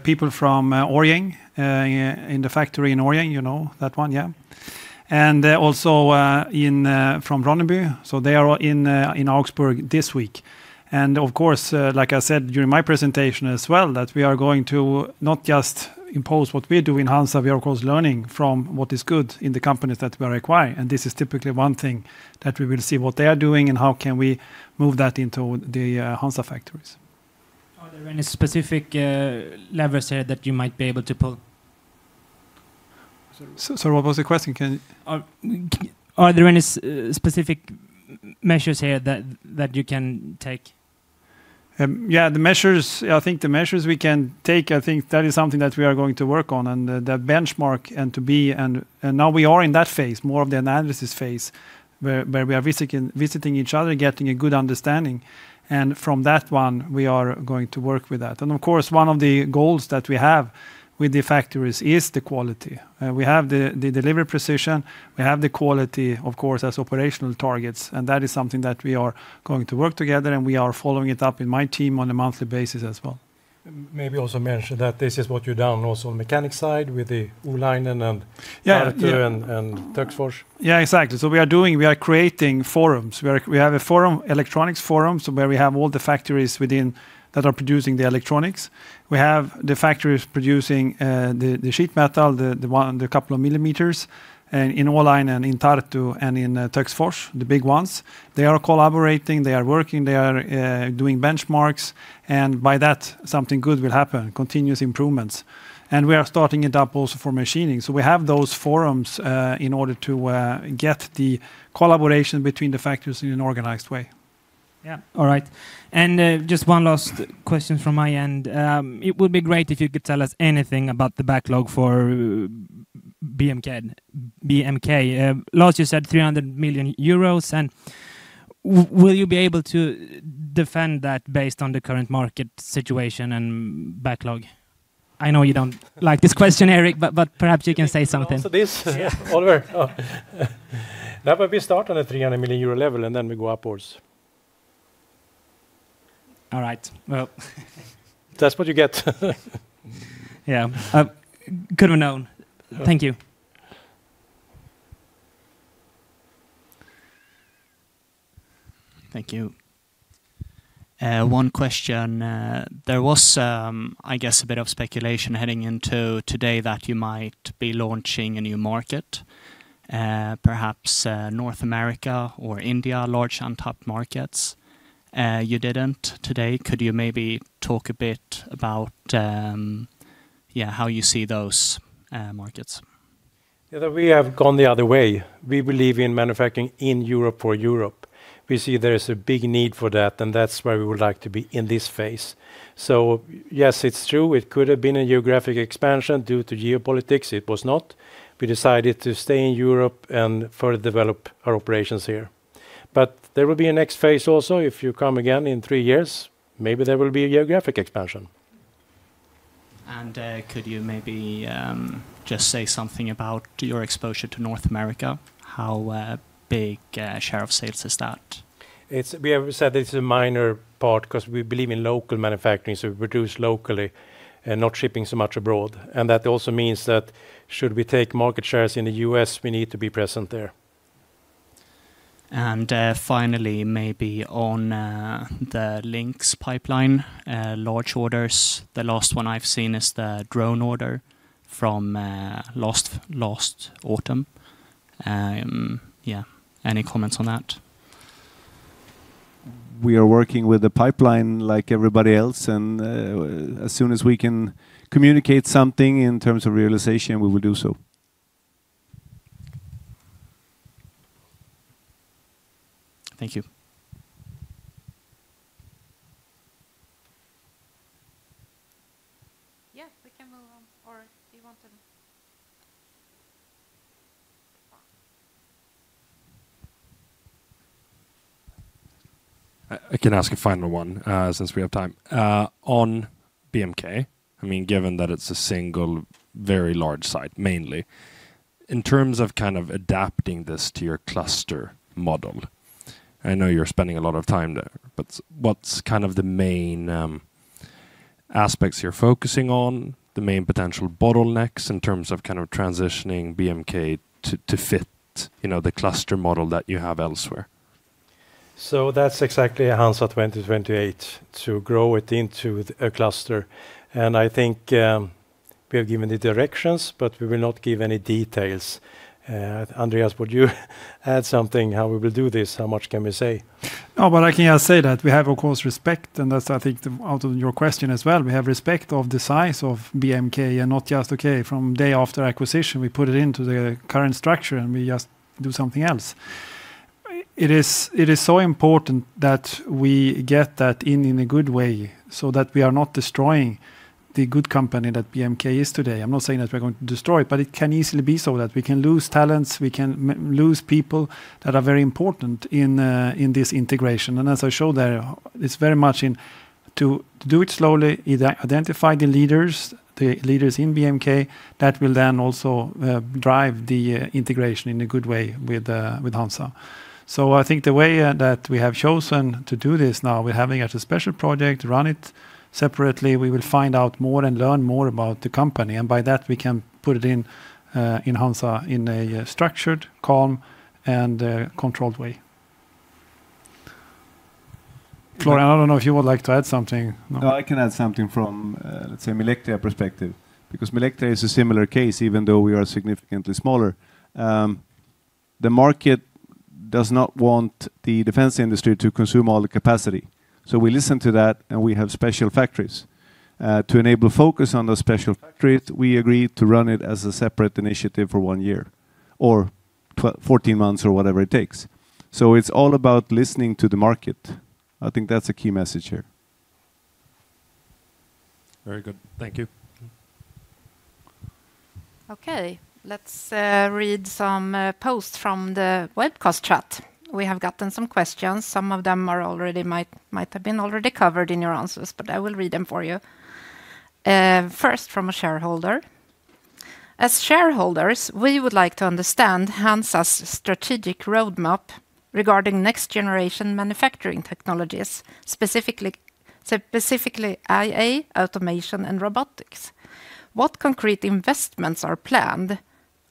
people from Årjäng in the factory in Årjäng. You know that one, yeah? Also from Ronneby. They are all in Augsburg this week. Of course, like I said during my presentation as well, that we are going to not just impose what we do in HANZA. We are, of course, learning from what is good in the companies that we acquire, and this is typically one thing that we will see what they are doing and how can we move that into the HANZA factories. Are there any specific, levers here that you might be able to pull? Sorry, what was the question? Are there any specific measures here that you can take? The measures I think we can take. I think that is something that we are going to work on and the benchmark and to be, and now we are in that phase, more of the analysis phase where we are visiting each other, getting a good understanding. From that one, we are going to work with that. Of course, one of the goals that we have with the factories is the quality. We have the delivery precision, we have the quality, of course, as operational targets, and that is something that we are going to work together, and we are following it up in my team on a monthly basis as well. Maybe also mention that this is what you've done also on mechanic side with the Oulainen and Tartu. Yeah. Yeah... Töcksfors. Yeah, exactly. We are creating forums. We have a forum, electronics forum, where we have all the factories within that are producing the electronics. We have the factories producing the sheet metal, the one, the couple of millimeters, in Oulainen, in Tartu, and in Töcksfors, the big ones. They are collaborating, they are working, doing benchmarks, and by that, something good will happen, continuous improvements. We are starting it up also for machining. We have those forums in order to get the collaboration between the factories in an organized way. Yeah. All right. Just one last question from my end. It would be great if you could tell us anything about the backlog for BMK. Last you said 300 million euros, and will you be able to defend that based on the current market situation and backlog? I know you don't like this question, Erik, but perhaps you can say something. That will start on a 300 million euro level, and then we go upwards. All right. Well. That's what you get. Yeah. Could have known. Thank you. Thank you. One question. There was, I guess, a bit of speculation heading into today that you might be launching a new market, perhaps, North America or India, large top markets. You didn't today. Could you maybe talk a bit about how you see those markets? Yeah, we have gone the other way. We believe in manufacturing in Europe for Europe. We see there is a big need for that, and that's where we would like to be in this phase. Yes, it's true, it could have been a geographic expansion due to geopolitics. It was not. We decided to stay in Europe and further develop our operations here. There will be a next phase also. If you come again in three years, maybe there will be a geographic expansion. Could you maybe just say something about your exposure to North America? How big a share of sales is that? We have said it's a minor part 'cause we believe in local manufacturing, so produce locally and not shipping so much abroad. That also means that should we take market shares in the U.S., we need to be present there. Finally, maybe on the LINX pipeline, large orders. The last one I've seen is the drone order from last autumn. Yeah. Any comments on that? We are working with the pipeline like everybody else, and, as soon as we can communicate something in terms of realization, we will do so. Thank you. Yeah, we can move on. Do you want to? I can ask a final one, since we have time. On BMK, I mean, given that it's a single very large site, mainly, in terms of kind of adapting this to your cluster model, I know you're spending a lot of time there, but what's kind of the main aspects you're focusing on, the main potential bottlenecks in terms of kind of transitioning BMK to fit, you know, the cluster model that you have elsewhere? That's exactly HANZA 2028, to grow it into a cluster. I think we have given the directions, but we will not give any details. Andreas, would you add something how we will do this? How much can we say? No, but I can say that we have, of course, respect, and that's, I think, the answer to your question as well. We have respect for the size of BMK and not just, okay, from day after acquisition, we put it into the current structure, and we just do something else. It is so important that we get that in a good way so that we are not destroying the good company that BMK is today. I'm not saying that we're going to destroy it, but it can easily be so that we can lose talents, we can lose people that are very important in this integration. As I showed there, it's very much intended to do it slowly, identify the leaders in BMK that will then also drive the integration in a good way with HANZA. I think the way that we have chosen to do this now, we're having it as a special project, run it separately, we will find out more and learn more about the company, and by that, we can put it into HANZA in a structured, calm, and controlled way. Florian, I don't know if you would like to add something. No. No, I can add something from, let's say Milectria perspective, because Milectria is a similar case, even though we are significantly smaller. The market does not want the defense industry to consume all the capacity. We listen to that, and we have special factories. To enable focus on those special factories, we agreed to run it as a separate initiative for one year or fourteen months or whatever it takes. It's all about listening to the market. I think that's a key message here. Very good. Thank you. Okay. Let's read some posts from the webcast chat. We have gotten some questions. Some of them might have been already covered in your answers, but I will read them for you. First, from a shareholder: As shareholders, we would like to understand HANZA's strategic roadmap regarding next-generation manufacturing technologies, specifically AI, automation, and robotics. What concrete investments are planned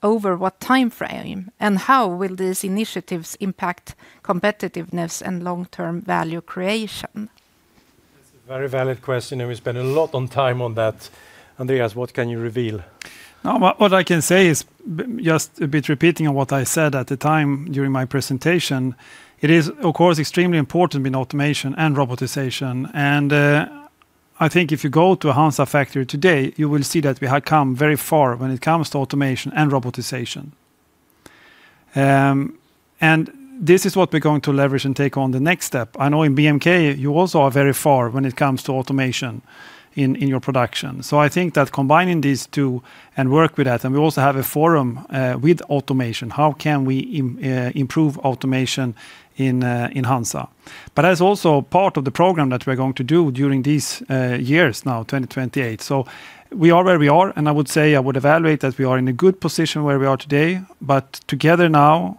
over what timeframe, and how will these initiatives impact competitiveness and long-term value creation? That's a very valid question, and we spend a lot of time on that. Andreas, what can you reveal? No, what I can say is just a bit repeating on what I said at the time during my presentation. It is, of course, extremely important in automation and robotization. I think if you go to a HANZA factory today, you will see that we have come very far when it comes to automation and robotization. This is what we're going to leverage and take on the next step. I know in BMK, you also are very far when it comes to automation in your production. I think that combining these two and work with that, and we also have a forum with automation. How can we improve automation in HANZA? That's also part of the program that we're going to do during these years now, 2028. We are where we are, and I would say I would evaluate that we are in a good position where we are today, but together now,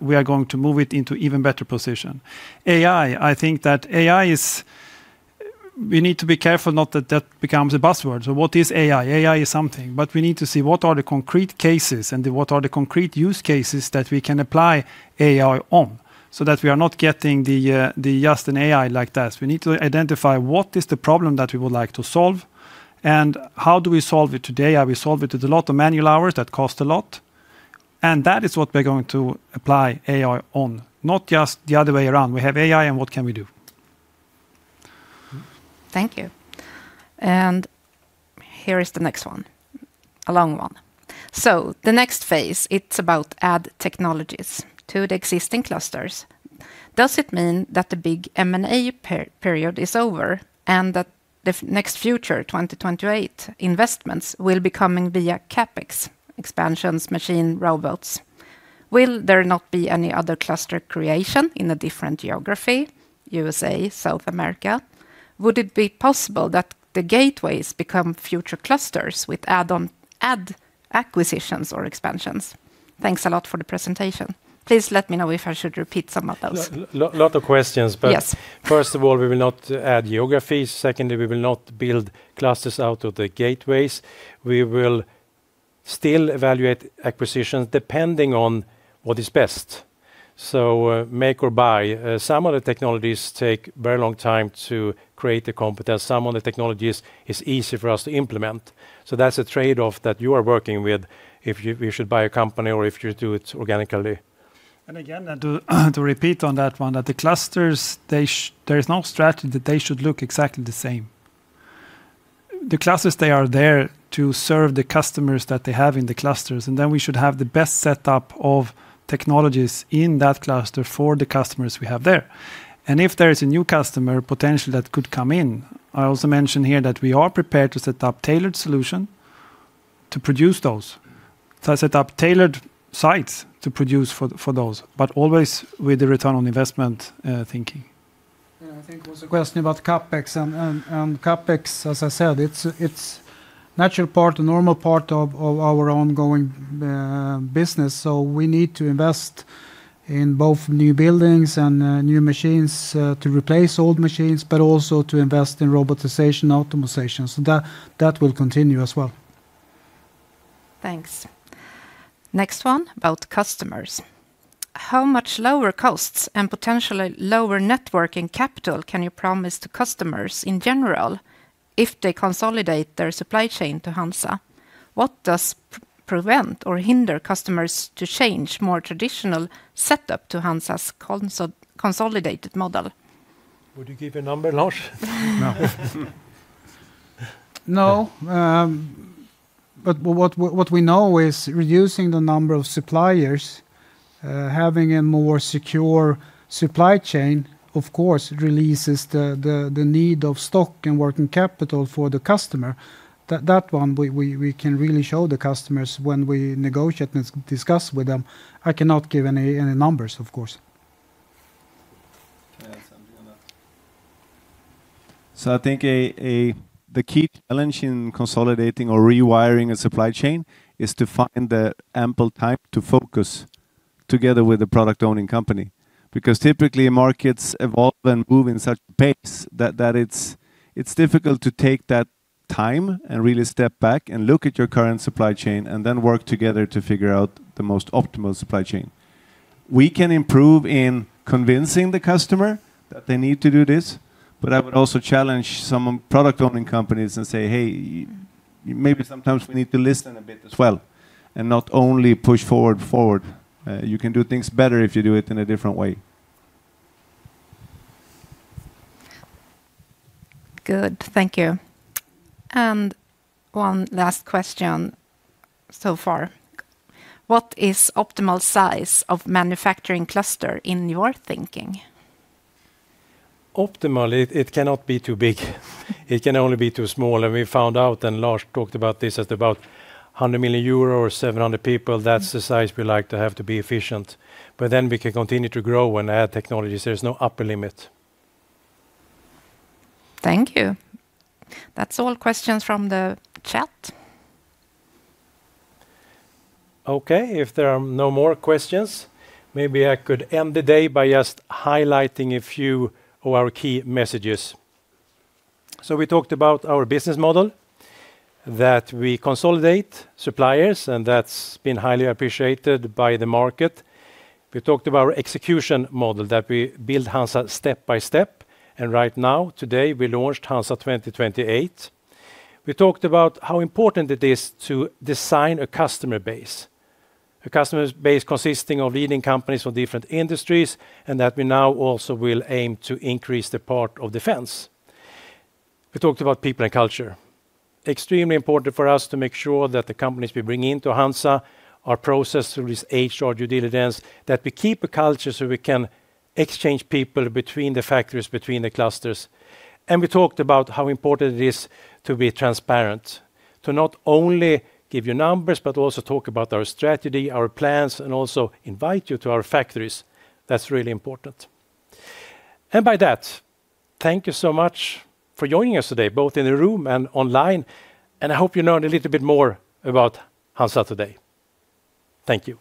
we are going to move it into even better position. AI, I think that AI is. We need to be careful not that becomes a buzzword. What is AI? AI is something, but we need to see what are the concrete cases and what are the concrete use cases that we can apply AI on, so that we are not getting the just an AI like that. We need to identify what is the problem that we would like to solve and how do we solve it today. Are we solve it with a lot of manual hours that cost a lot? That is what we're going to apply AI on, not just the other way around. We have AI, and what can we do? Thank you. Here is the next one, a long one. The next phase, it's about adding technologies to the existing clusters. Does it mean that the big M&A period is over and that the future 2028 investments will be coming via CapEx, expansions, machines, robots? Will there not be any other cluster creation in a different geography, USA, South America? Would it be possible that the gateways become future clusters with add-on acquisitions or expansions? Thanks a lot for the presentation. Please let me know if I should repeat some of those. Lot of questions. Yes. First of all, we will not add geographies. Secondly, we will not build clusters out of the gateways. We will still evaluate acquisitions depending on what is best. Make or buy. Some of the technologies take very long time to create the competence. Some of the technologies is easy for us to implement. That's a trade-off that you are working with if you should buy a company or if you do it organically. Again, to repeat on that one, that the clusters, they there is no strategy that they should look exactly the same. The clusters, they are there to serve the customers that they have in the clusters, and then we should have the best setup of technologies in that cluster for the customers we have there. If there is a new customer potential that could come in, I also mention here that we are prepared to set up tailored solution to produce those. To set up tailored sites to produce for those, but always with the return on investment thinking. Yeah. I think there was a question about CapEx, and CapEx, as I said, it's a natural part, a normal part of our ongoing business, so we need to invest in both new buildings and new machines to replace old machines, but also to invest in robotization, automation. That will continue as well. Thanks. Next one about customers. How much lower costs and potentially lower working capital can you promise to customers in general if they consolidate their supply chain to HANZA? What does prevent or hinder customers to change more traditional setup to HANZA's consolidated model? Would you give a number, Lars? No. No, what we know is reducing the number of suppliers, having a more secure supply chain, of course, releases the need of stock and working capital for the customer. That one we can really show the customers when we negotiate and discuss with them. I cannot give any numbers, of course. Can I add something, Jonas? I think the key challenge in consolidating or rewiring a supply chain is to find the ample time to focus together with the product-owning company. Because typically markets evolve and move in such pace that it's difficult to take that time, and really step back, and look at your current supply chain, and then work together to figure out the most optimal supply chain. We can improve in convincing the customer that they need to do this, but I would also challenge some product-owning companies and say, "Hey, maybe sometimes we need to listen a bit as well, and not only push forward. You can do things better if you do it in a different way. Good. Thank you. One last question so far. What is optimal size of manufacturing cluster in your thinking? Optimally, it cannot be too big. It can only be too small. We found out, and Lars talked about this, it's about 100 million euro or 700 people, that's the size we like to have to be efficient. We can continue to grow and add technologies. There's no upper limit. Thank you. That's all questions from the chat. Okay. If there are no more questions, maybe I could end the day by just highlighting a few of our key messages. We talked about our business model, that we consolidate suppliers, and that's been highly appreciated by the market. We talked about our execution model, that we build HANZA step by step, and right now, today, we launched HANZA 2028. We talked about how important it is to diversify a customer base, a customer base consisting of leading companies from different industries, and that we now also will aim to increase the part of defense. We talked about people and culture. Extremely important for us to make sure that the companies we bring into HANZA are processed through these HR due diligence, that we keep a culture so we can exchange people between the factories, between the clusters. We talked about how important it is to be transparent, to not only give you numbers, but also talk about our strategy, our plans, and also invite you to our factories. That's really important. By that, thank you so much for joining us today, both in the room and online, and I hope you learned a little bit more about HANZA today. Thank you.